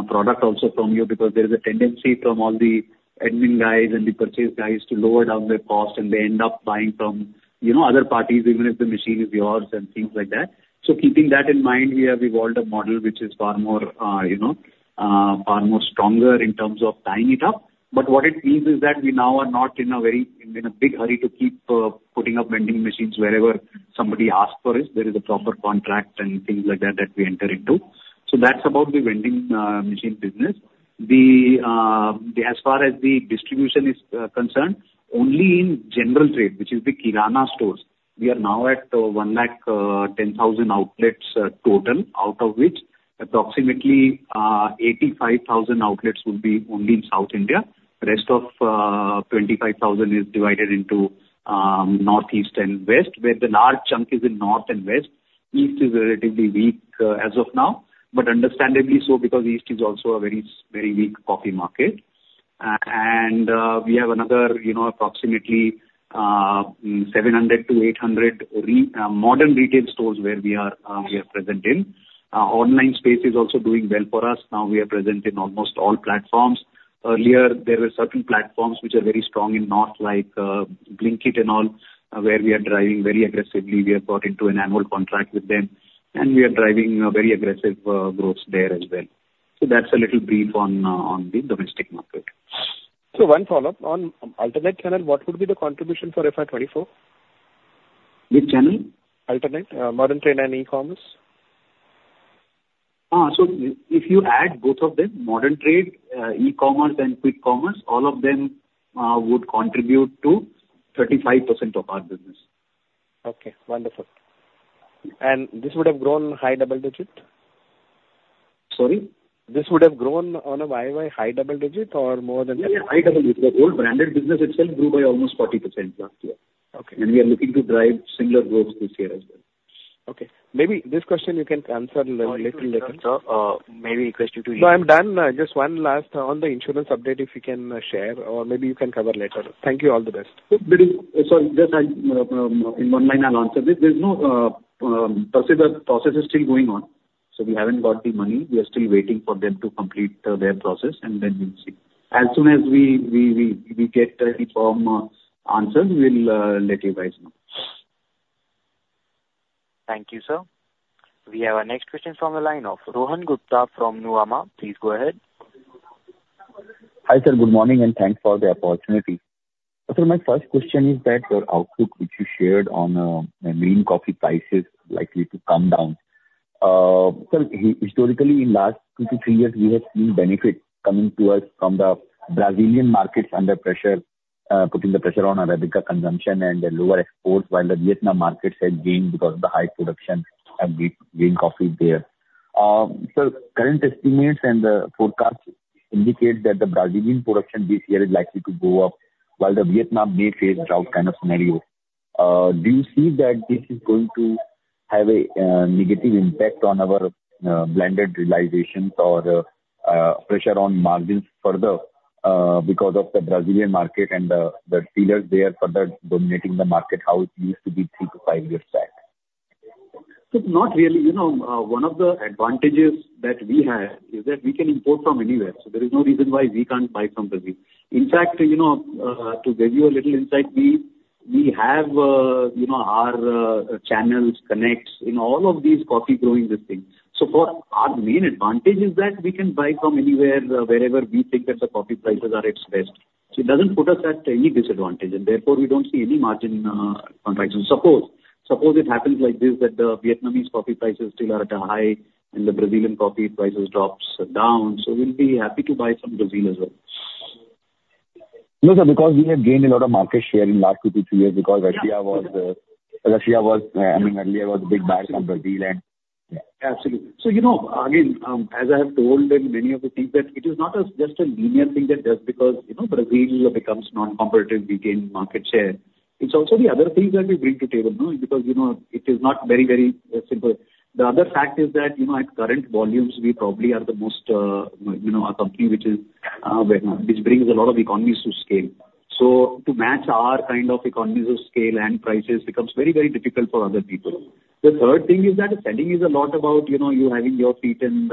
[SPEAKER 3] product also from you because there is a tendency from all the admin guys and the purchase guys to lower down their cost, and they end up buying from other parties, even if the machine is yours and things like that. So, keeping that in mind, we have evolved a model which is far more stronger in terms of tying it up. But what it means is that we now are not in a big hurry to keep putting up vending machines wherever somebody asks for it. There is a proper contract and things like that that we enter into. So that's about the vending machine business. As far as the distribution is concerned, only in general trade, which is the Kirana stores, we are now at 110,000 outlets total, out of which approximately 85,000 outlets will be only in South India. The rest of 25,000 is divided into northeast and west, where the large chunk is in north and west. East is relatively weak as of now, but understandably so because east is also a very, very weak coffee market. We have another approximately 700-800 modern retail stores where we are present in. Online space is also doing well for us. Now, we are present in almost all platforms. Earlier, there were certain platforms which are very strong in north, like Blinkit and all, where we are driving very aggressively. We have got into an annual contract with them, and we are driving very aggressive growths there as well. So that's a little brief on the domestic market.
[SPEAKER 10] One follow-up. On alternate channel, what would be the contribution for FY 2024?
[SPEAKER 3] Which channel?
[SPEAKER 10] Alternate, Modern Trade, and e-commerce.
[SPEAKER 3] If you add both of them, modern trade, e-commerce, and quick commerce, all of them would contribute to 35% of our business.
[SPEAKER 10] Okay. Wonderful. And this would have grown high double digit?
[SPEAKER 3] Sorry?
[SPEAKER 10] This would have grown on a YoY high double digit or more than that?
[SPEAKER 3] Yeah, high double digit. The whole branded business itself grew by almost 40% last year. And we are looking to drive similar growths this year as well.
[SPEAKER 10] Okay. Maybe this question, you can answer a little later.
[SPEAKER 1] Sir, maybe a question to you.
[SPEAKER 10] No, I'm done. Just one last on the insurance update, if you can share, or maybe you can cover later. Thank you. All the best.
[SPEAKER 3] Sorry. Just in one line, I'll answer this. The process is still going on. So we haven't got the money. We are still waiting for them to complete their process, and then we'll see. As soon as we get any firm answers, we'll let you guys know.
[SPEAKER 1] Thank you, sir. We have our next question from the line of Rohan Gupta from Nuvama. Please go ahead.
[SPEAKER 11] Hi, sir. Good morning, and thanks for the opportunity. Sir, my first question is that your output which you shared on green coffee prices likely to come down. Sir, historically, in the last two to three years, we have seen benefit coming to us from the Brazilian markets under pressure, putting the pressure on Arabica consumption and lower exports, while the Vietnam markets had gained because of the high production of green coffee there. Sir, current estimates and the forecasts indicate that the Brazilian production this year is likely to go up, while the Vietnam may face drought kind of scenario. Do you see that this is going to have a negative impact on our blended realizations or pressure on margins further because of the Brazilian market and the dealers there further dominating the market how it used to be 3-5 years back?
[SPEAKER 3] So not really. One of the advantages that we have is that we can import from anywhere. So there is no reason why we can't buy from Brazil. In fact, to give you a little insight, we have our channels connect in all of these coffee-growing systems. So our main advantage is that we can buy from anywhere, wherever we think that the coffee prices are at its best. So it doesn't put us at any disadvantage. And therefore, we don't see any margin contractions. Suppose it happens like this, that the Vietnamese coffee prices still are at a high, and the Brazilian coffee prices drop down, so we'll be happy to buy from Brazil as well.
[SPEAKER 11] No, sir, because we have gained a lot of market share in the last two to three years because Russia was the, I mean, earlier, it was a big buyer from Brazil, and.
[SPEAKER 3] Yeah. Absolutely. So again, as I have told in many of the things, that it is not just a linear thing that just because Brazil becomes non-competitive, we gain market share. It's also the other things that we bring to table because it is not very, very simple. The other fact is that at current volumes, we probably are the most a company which brings a lot of economies to scale. So to match our kind of economies of scale and prices becomes very, very difficult for other people. The third thing is that selling is a lot about you having your feet and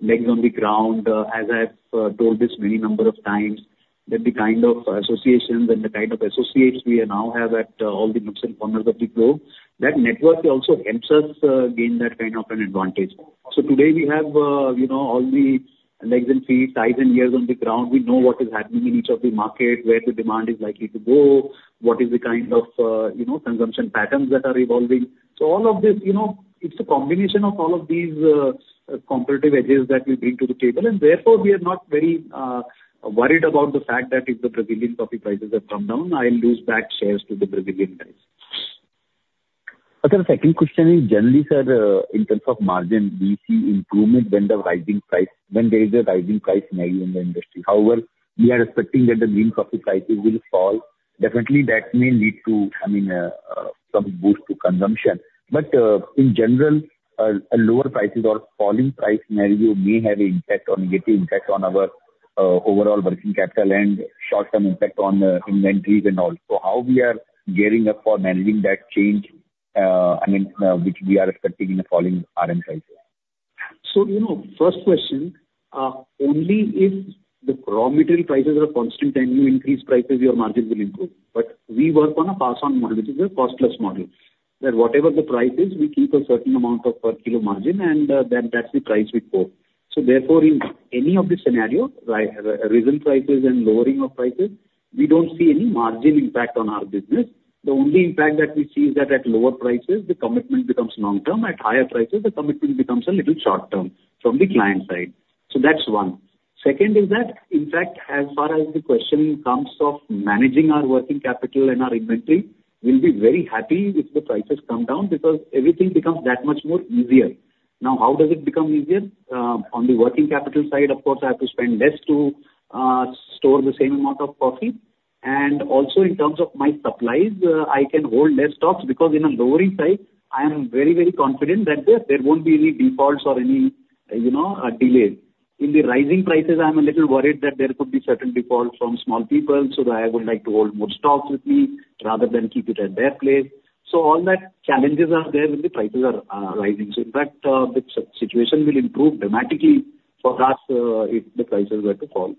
[SPEAKER 3] legs on the ground. As I've told this many number of times, that the kind of associations and the kind of associates we now have at all the nooks and corners of the globe, that network also helps us gain that kind of an advantage. So today, we have all the legs and feet, eyes and ears on the ground. We know what is happening in each of the markets, where the demand is likely to go, what is the kind of consumption patterns that are evolving. So all of this, it's a combination of all of these competitive edges that we bring to the table. And therefore, we are not very worried about the fact that if the Brazilian coffee prices have come down, I'll lose back shares to the Brazilian guys.
[SPEAKER 11] Sir, the second question is generally, sir, in terms of margin, we see improvement when the rising price when there is a rising price scenario in the industry. However, we are expecting that the green coffee prices will fall. Definitely, that may lead to, I mean, some boost to consumption. But in general, lower prices or falling price scenario may have a negative impact on our overall working capital and short-term impact on inventories and all. So how we are gearing up for managing that change, I mean, which we are expecting in the falling RM prices.
[SPEAKER 3] So first question, only if the raw material prices are constant and you increase prices, your margin will improve. But we work on a pass-on model, which is a cost-plus model, that whatever the price is, we keep a certain amount of per kilo margin, and then that's the price we quote. So therefore, in any of the scenario, risen prices and lowering of prices, we don't see any margin impact on our business. The only impact that we see is that at lower prices, the commitment becomes long-term. At higher prices, the commitment becomes a little short-term from the client side. So that's one. Second is that, in fact, as far as the question comes of managing our working capital and our inventory, we'll be very happy if the prices come down because everything becomes that much more easier. Now, how does it become easier? On the working capital side, of course, I have to spend less to store the same amount of coffee. Also, in terms of my supplies, I can hold less stocks because in a lowering side, I am very, very confident that there won't be any defaults or any delays. In the rising prices, I'm a little worried that there could be certain defaults from small people, so that I would like to hold more stocks with me rather than keep it at their place. All that challenges are there when the prices are rising. In fact, the situation will improve dramatically for us if the prices were to fall.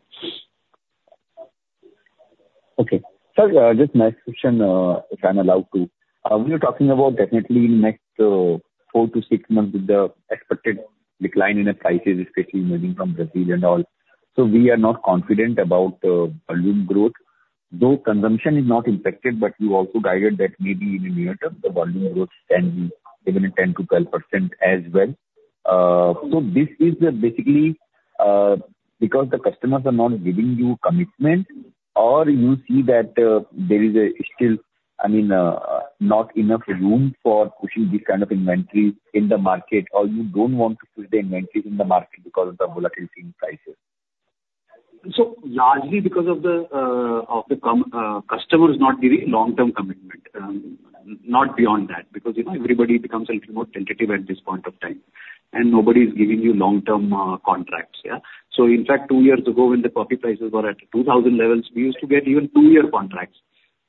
[SPEAKER 11] Okay. Sir, just next question, if I'm allowed to. We are talking about definitely in the next four to six months with the expected decline in the prices, especially emerging from Brazil and all. So we are not confident about volume growth. Though consumption is not impacted, but we also guided that maybe in the near term, the volume growth can be even a 10%-12% as well. So this is basically because the customers are not giving you commitment, or you see that there is still, I mean, not enough room for pushing this kind of inventory in the market, or you don't want to push the inventory in the market because of the volatility in prices.
[SPEAKER 3] So largely because of the customers not giving long-term commitment, not beyond that because everybody becomes a little more tentative at this point of time, and nobody is giving you long-term contracts, yeah? So in fact, two years ago, when the coffee prices were at 2,000 levels, we used to get even two-year contracts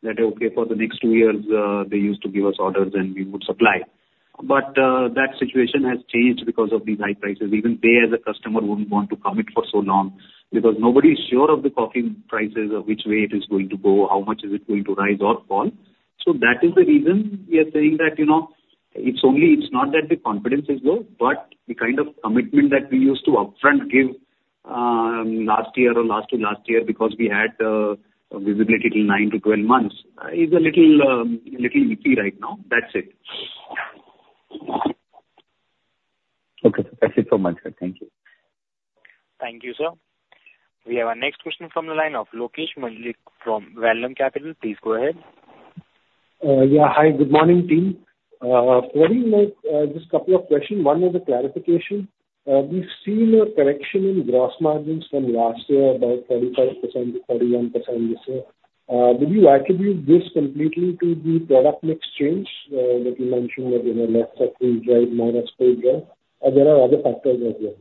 [SPEAKER 3] that, okay, for the next two years, they used to give us orders, and we would supply. But that situation has changed because of these high prices. Even they, as a customer, wouldn't want to commit for so long because nobody is sure of the coffee prices, which way it is going to go, how much is it going to rise or fall. That is the reason we are saying that it's not that the confidence is low, but the kind of commitment that we used to upfront give last year or last to last year because we had visibility till 9-12 months is a little easy right now. That's it.
[SPEAKER 11] Okay. That's it for me, sir. Thank you.
[SPEAKER 1] Thank you, sir. We have our next question from the line of Lokesh Manik from Vallum Capital. Please go ahead.
[SPEAKER 12] Yeah. Hi. Good morning, team. For me, just a couple of questions. One is a clarification. We've seen a correction in gross margins from last year, about 35%-41% this year. Would you attribute this completely to the product mix change that you mentioned that less of freeze-dried, more of spray-dried? Or there are other factors as well?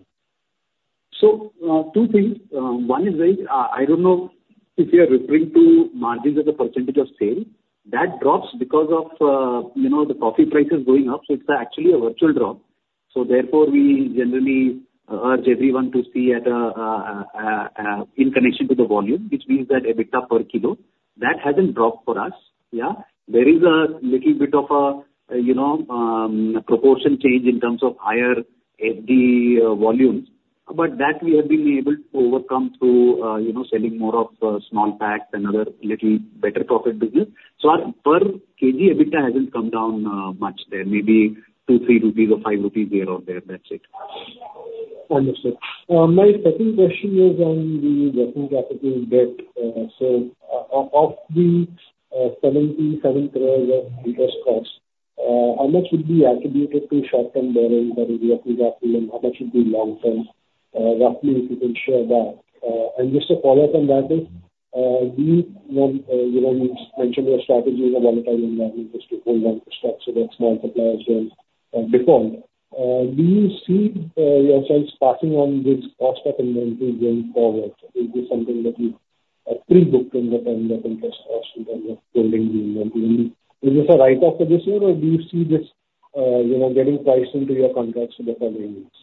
[SPEAKER 3] So 2 things. 1 is very I don't know if you are referring to margins as a percentage of sale. That drops because of the coffee prices going up. So it's actually a virtual drop. So therefore, we generally urge everyone to see in connection to the volume, which means that EBITDA per kilo, that hasn't dropped for us, yeah? There is a little bit of a proportion change in terms of higher FD volumes, but that we have been able to overcome through selling more of small packs and other little better-profit business. So per kg, EBITDA hasn't come down much there. Maybe 2, 3 rupees or 5 rupees here or there. That's it.
[SPEAKER 12] Understood. My second question is on the working capital debt. So of the 77 crore of interest costs, how much would be attributed to short-term borrowing by the working capital, and how much would be long-term, roughly, if you can share that? And just to follow up on that is, you mentioned your strategy in a volatile environment is to hold onto stocks so that small suppliers don't default. Do you see yourselves passing on this cost of inventory going forward? Is this something that you pre-booked in the terms of interest costs in terms of holding the inventory? Is this a write-off for this year, or do you see this getting priced into your contracts for the following years?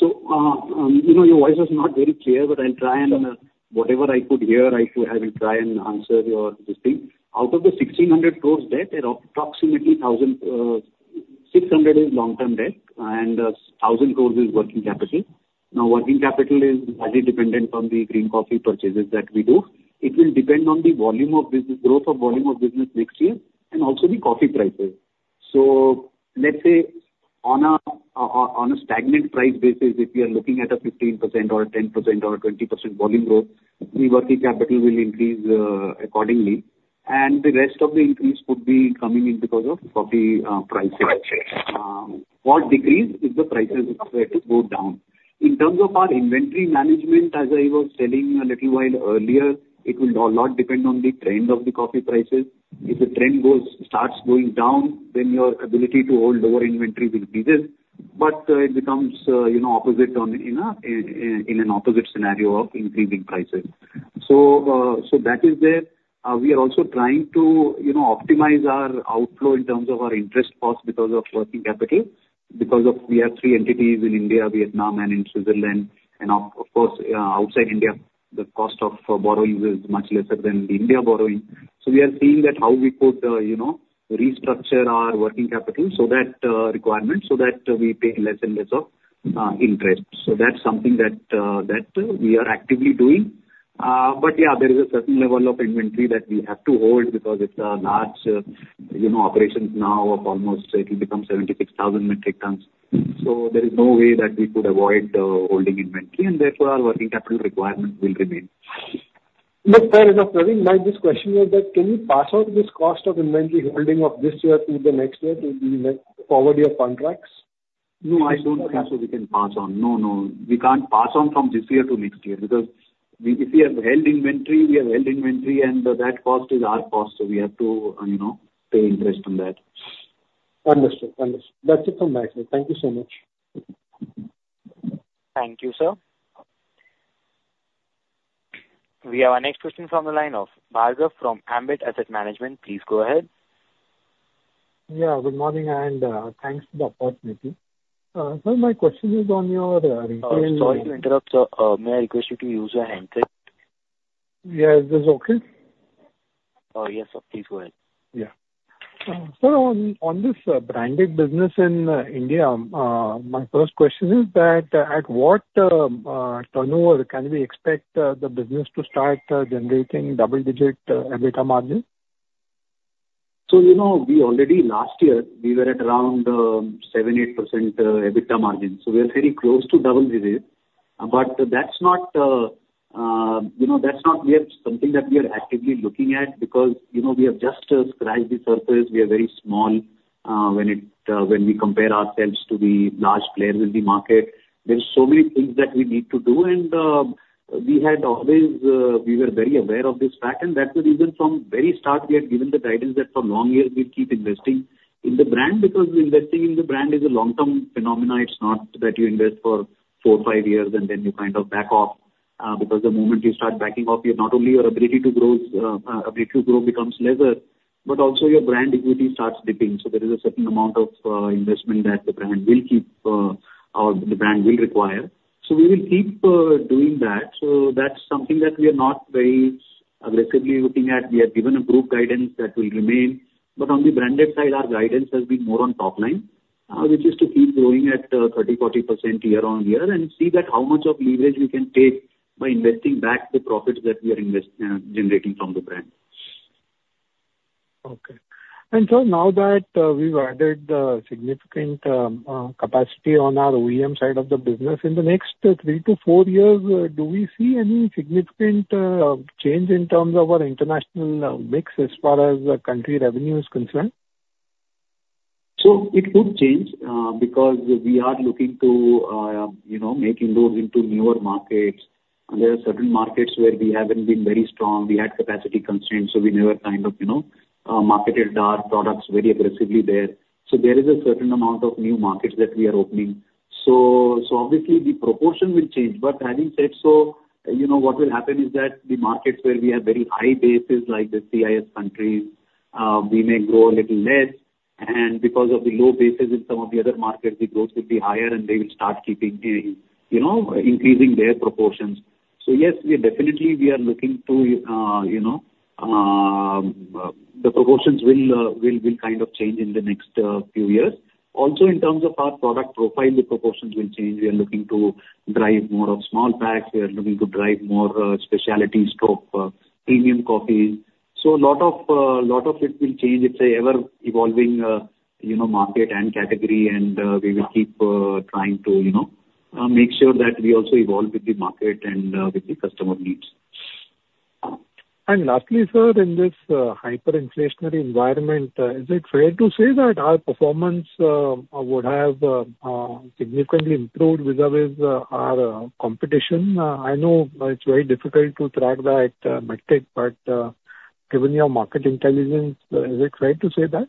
[SPEAKER 3] So your voice is not very clear, but I'll try and whatever I could hear, I will try and answer your question. Out of the 1,600 crore debt, approximately 1,600 crore is long-term debt, and 1,000 crore is working capital. Now, working capital is largely dependent on the green coffee purchases that we do. It will depend on the growth of volume of business next year and also the coffee prices. So let's say, on a stagnant price basis, if we are looking at a 15% or a 10% or a 20% volume growth, the working capital will increase accordingly. And the rest of the increase would be coming in because of coffee prices. What decrease is the prices expected to go down? In terms of our inventory management, as I was telling a little while earlier, it will a lot depend on the trend of the coffee prices. If the trend starts going down, then your ability to hold lower inventory will decrease. But it becomes opposite in an opposite scenario of increasing prices. So that is there. We are also trying to optimize our outflow in terms of our interest costs because of working capital. Because we have three entities in India, Vietnam, and in Switzerland. And of course, outside India, the cost of borrowing is much lesser than the India borrowing. So we are seeing that how we could restructure our working capital so that requirement so that we pay less and less of interest. So that's something that we are actively doing. But yeah, there is a certain level of inventory that we have to hold because it's a large operation now of almost it will become 76,000 metric tonnes. So there is no way that we could avoid holding inventory. And therefore, our working capital requirement will remain.
[SPEAKER 12] Yes, sir. Sir, this question was that can you pass on this cost of inventory holding of this year to the next year to forward your contracts?
[SPEAKER 3] No, I don't think so, we can pass on. No, no. We can't pass on from this year to next year because if we have held inventory, we have held inventory, and that cost is our cost. So we have to pay interest on that.
[SPEAKER 12] Understood. Understood. That's it from my side. Thank you so much.
[SPEAKER 1] Thank you, sir. We have our next question from the line of Bhargav from Ambit Asset Management. Please go ahead.
[SPEAKER 13] Yeah. Good morning. Thanks for the opportunity. Sir, my question is on your retail.
[SPEAKER 2] Sorry to interrupt, sir. May I request you to use your handset?
[SPEAKER 13] Yeah. Is this okay?
[SPEAKER 2] Yes, sir. Please go ahead.
[SPEAKER 13] Yeah. Sir, on this branded business in India, my first question is that at what turnover can we expect the business to start generating double-digit EBITDA margins?
[SPEAKER 3] So we already last year, we were at around 7%-8% EBITDA margins. So we are very close to double digits. But that's not we have something that we are actively looking at because we have just scratched the surface. We are very small when we compare ourselves to the large players in the market. There are so many things that we need to do. And we had always we were very aware of this pattern. That's the reason from very start, we had given the guidance that for long years, we'd keep investing in the brand because investing in the brand is a long-term phenomenon. It's not that you invest for 4-5 years, and then you kind of back off. Because the moment you start backing off, not only your ability to grow becomes lesser, but also your brand equity starts dipping. There is a certain amount of investment that the brand will keep or the brand will require. We will keep doing that. That's something that we are not very aggressively looking at. We have given a group guidance that will remain. But on the branded side, our guidance has been more on top line, which is to keep growing at 30%-40% year-on-year and see that how much of leverage we can take by investing back the profits that we are generating from the brand.
[SPEAKER 13] Okay. And sir, now that we've added significant capacity on our OEM side of the business, in the next three to four years, do we see any significant change in terms of our international mix as far as country revenue is concerned?
[SPEAKER 3] So it could change because we are looking to make inroads into newer markets. There are certain markets where we haven't been very strong. We had capacity constraints, so we never kind of marketed our products very aggressively there. So there is a certain amount of new markets that we are opening. So obviously, the proportion will change. But having said so, what will happen is that the markets where we have very high bases like the CIS countries, we may grow a little less. Because of the low bases in some of the other markets, the growth will be higher, and they will start increasing their proportions. So yes, definitely, we are looking to the proportions will kind of change in the next few years. Also, in terms of our product profile, the proportions will change. We are looking to drive more of small packs. We are looking to drive more specialty strong, premium coffee. A lot of it will change. It's an ever-evolving market and category, and we will keep trying to make sure that we also evolve with the market and with the customer needs.
[SPEAKER 13] And lastly, sir, in this hyperinflationary environment, is it fair to say that our performance would have significantly improved vis-à-vis our competition? I know it's very difficult to track that metric, but given your market intelligence, is it fair to say that?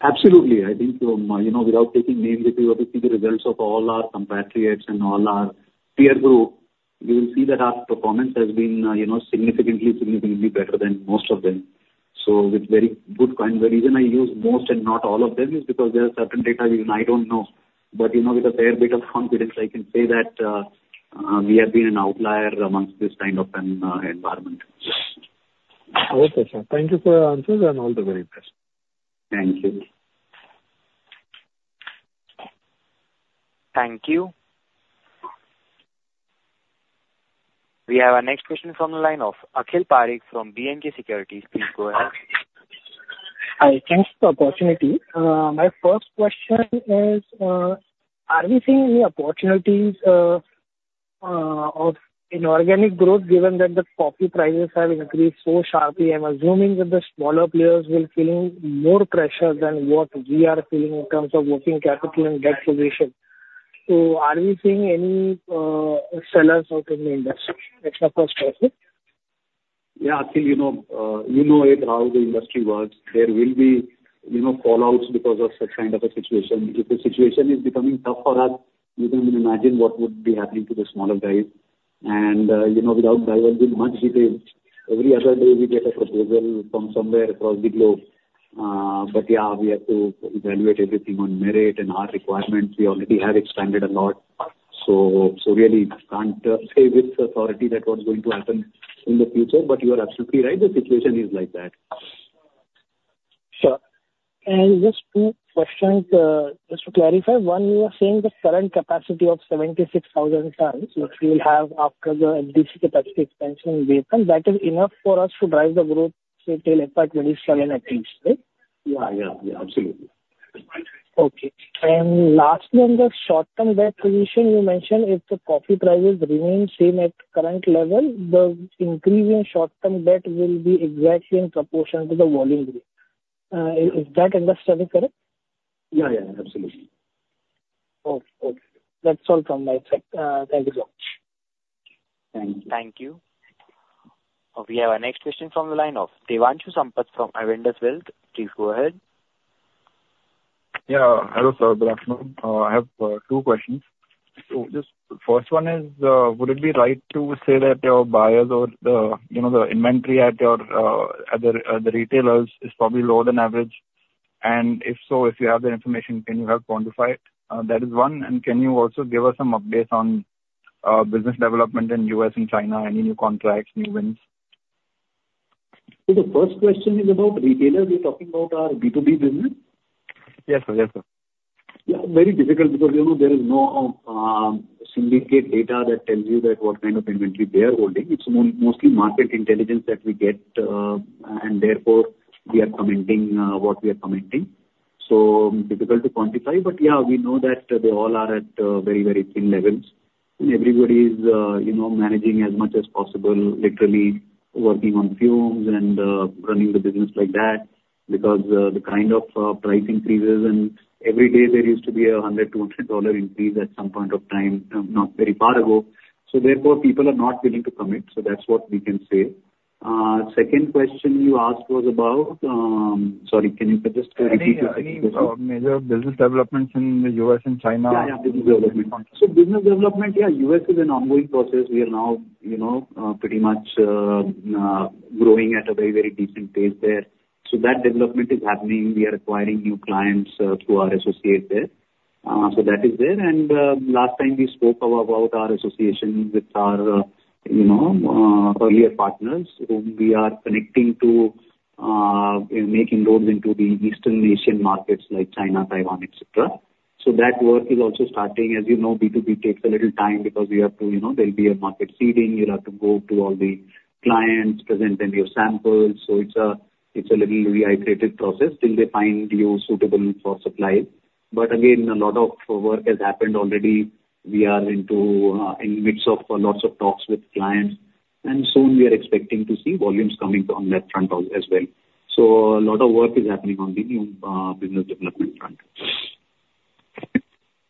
[SPEAKER 3] Absolutely. I think without taking names, if you were to see the results of all our competitors and all our peer group, you will see that our performance has been significantly, significantly better than most of them. It's very good. The reason I use most and not all of them is because there are certain data I don't know. With a fair bit of confidence, I can say that we have been an outlier amongst this kind of an environment.
[SPEAKER 13] Okay, sir. Thank you for your answers, and all the very best.
[SPEAKER 3] Thank you.
[SPEAKER 1] Thank you. We have our next question from the line of Akhil Parekh from B&K Securities. Please go ahead.
[SPEAKER 14] Hi. Thanks for the opportunity. My first question is, are we seeing any opportunities in organic growth given that the coffee prices have increased so sharply? I'm assuming that the smaller players will be feeling more pressure than what we are feeling in terms of working capital and debt position. So are we seeing any sellers out in the industry? That's my first question.
[SPEAKER 3] Yeah, Akhil, you know it how the industry works. There will be fallouts because of such kind of a situation. If the situation is becoming tough for us, you can imagine what would be happening to the smaller guys. And without diving in much detail, every other day, we get a proposal from somewhere across the globe. But yeah, we have to evaluate everything on merit and our requirements. We already have expanded a lot. So really, can't say with authority that what's going to happen in the future. But you are absolutely right. The situation is like that.
[SPEAKER 14] Sure. Just two questions. Just to clarify, one, you were saying the current capacity of 76,000 tonnes, which we will have after the FDC capacity expansion we have done, that is enough for us to drive the growth retail effort when it's challenged at least, right?
[SPEAKER 3] Yeah, yeah, yeah. Absolutely.
[SPEAKER 14] Okay. And lastly, on the short-term debt position, you mentioned if the coffee prices remain same at current level, the increase in short-term debt will be exactly in proportion to the volume growth. Is that understanding correct?
[SPEAKER 3] Yeah, yeah. Absolutely.
[SPEAKER 14] Okay. Okay. That's all from my side. Thank you so much.
[SPEAKER 3] Thank you.
[SPEAKER 1] Thank you. We have our next question from the line of Devanshu Sampat from Avendus Wealth. Please go ahead.
[SPEAKER 15] Yeah. Hello, sir. Good afternoon. I have two questions. So just the first one is, would it be right to say that your buyers or the inventory at the retailers is probably lower than average? And if so, if you have the information, can you help quantify it? That is one. And can you also give us some updates on business development in the U.S. and China, any new contracts, new wins?
[SPEAKER 3] The first question is about retailers. You're talking about our B2B business?
[SPEAKER 15] Yes, sir. Yes, sir.
[SPEAKER 3] Yeah. Very difficult because there is no syndicated data that tells you what kind of inventory they are holding. It's mostly market intelligence that we get, and therefore, we are commenting what we are commenting. So difficult to quantify. But yeah, we know that they all are at very, very thin levels. And everybody is managing as much as possible, literally working on fumes and running the business like that because the kind of price increases and every day, there used to be a $100-$200 increase at some point of time, not very far ago. So therefore, people are not willing to commit. So that's what we can say. Second question you asked was about, sorry, can you just repeat your second question?
[SPEAKER 15] Yeah. Major business developments in the U.S. and China.
[SPEAKER 3] Yeah, yeah. Business development. So business development, yeah, U.S. is an ongoing process. We are now pretty much growing at a very, very decent pace there. So that development is happening. We are acquiring new clients through our associates there. So that is there. And last time, we spoke about our association with our earlier partners whom we are connecting to make inroads into the Eastern Asian markets like China, Taiwan, etc. So that work is also starting. As you know, B2B takes a little time because we have to, there'll be a market seeding. You'll have to go to all the clients, present them your samples. So it's a little reiterated process till they find you suitable for supply. But again, a lot of work has happened already. We are in the midst of lots of talks with clients. Soon, we are expecting to see volumes coming on that front as well. A lot of work is happening on the new business development front.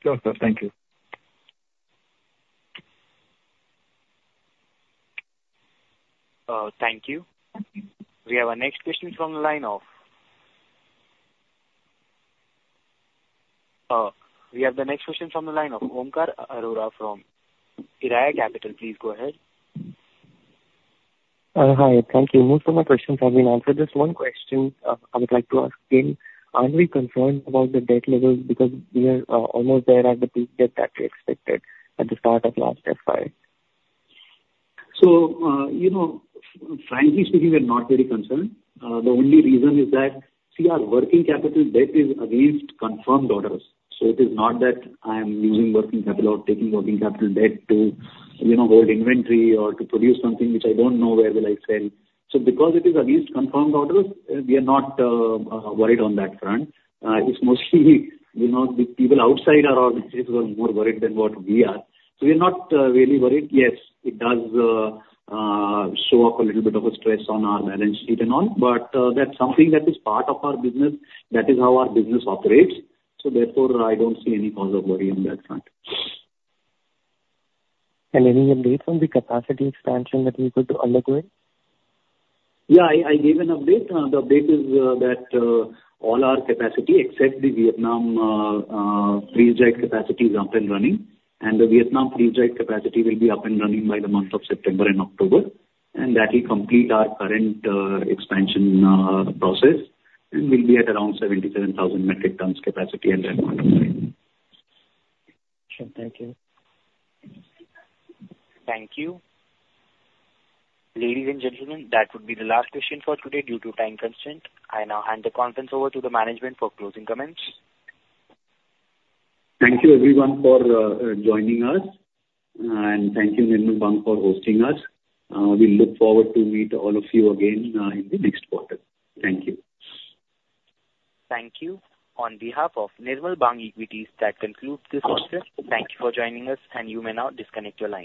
[SPEAKER 15] Sure, sir. Thank you.
[SPEAKER 1] Thank you. We have our next question from the line of Omkar Arora from Eraya Capital. Please go ahead.
[SPEAKER 16] Hi. Thank you. Most of my questions have been answered. Just one question I would like to ask again. Are we concerned about the debt levels because we are almost there at the peak debt that we expected at the start of last FY?
[SPEAKER 3] So frankly speaking, we are not very concerned. The only reason is that, see, our working capital debt is against confirmed orders. So it is not that I am using working capital or taking working capital debt to hold inventory or to produce something which I don't know where will I sell. So because it is against confirmed orders, we are not worried on that front. It's mostly the people outside our organizations who are more worried than what we are. So we are not really worried. Yes, it does show up a little bit of a stress on our balance sheet and all. But that's something that is part of our business. That is how our business operates. So therefore, I don't see any cause of worry on that front.
[SPEAKER 16] Any update on the capacity expansion that we could undergo?
[SPEAKER 3] Yeah. I gave an update. The update is that all our capacity except the Vietnam freeze-dried capacity is up and running. The Vietnam freeze-dried capacity will be up and running by the month of September and October. That will complete our current expansion process and will be at around 77,000 metric tonnes capacity at that point of time.
[SPEAKER 16] Sure. Thank you.
[SPEAKER 1] Thank you. Ladies and gentlemen, that would be the last question for today due to time constraint. I now hand the conference over to the management for closing comments.
[SPEAKER 3] Thank you, everyone, for joining us. Thank you, Nirmal Bang, for hosting us. We look forward to meet all of you again in the next quarter. Thank you.
[SPEAKER 1] Thank you. On behalf of Nirmal Bang Equities, that concludes this question. Thank you for joining us. You may now disconnect your line.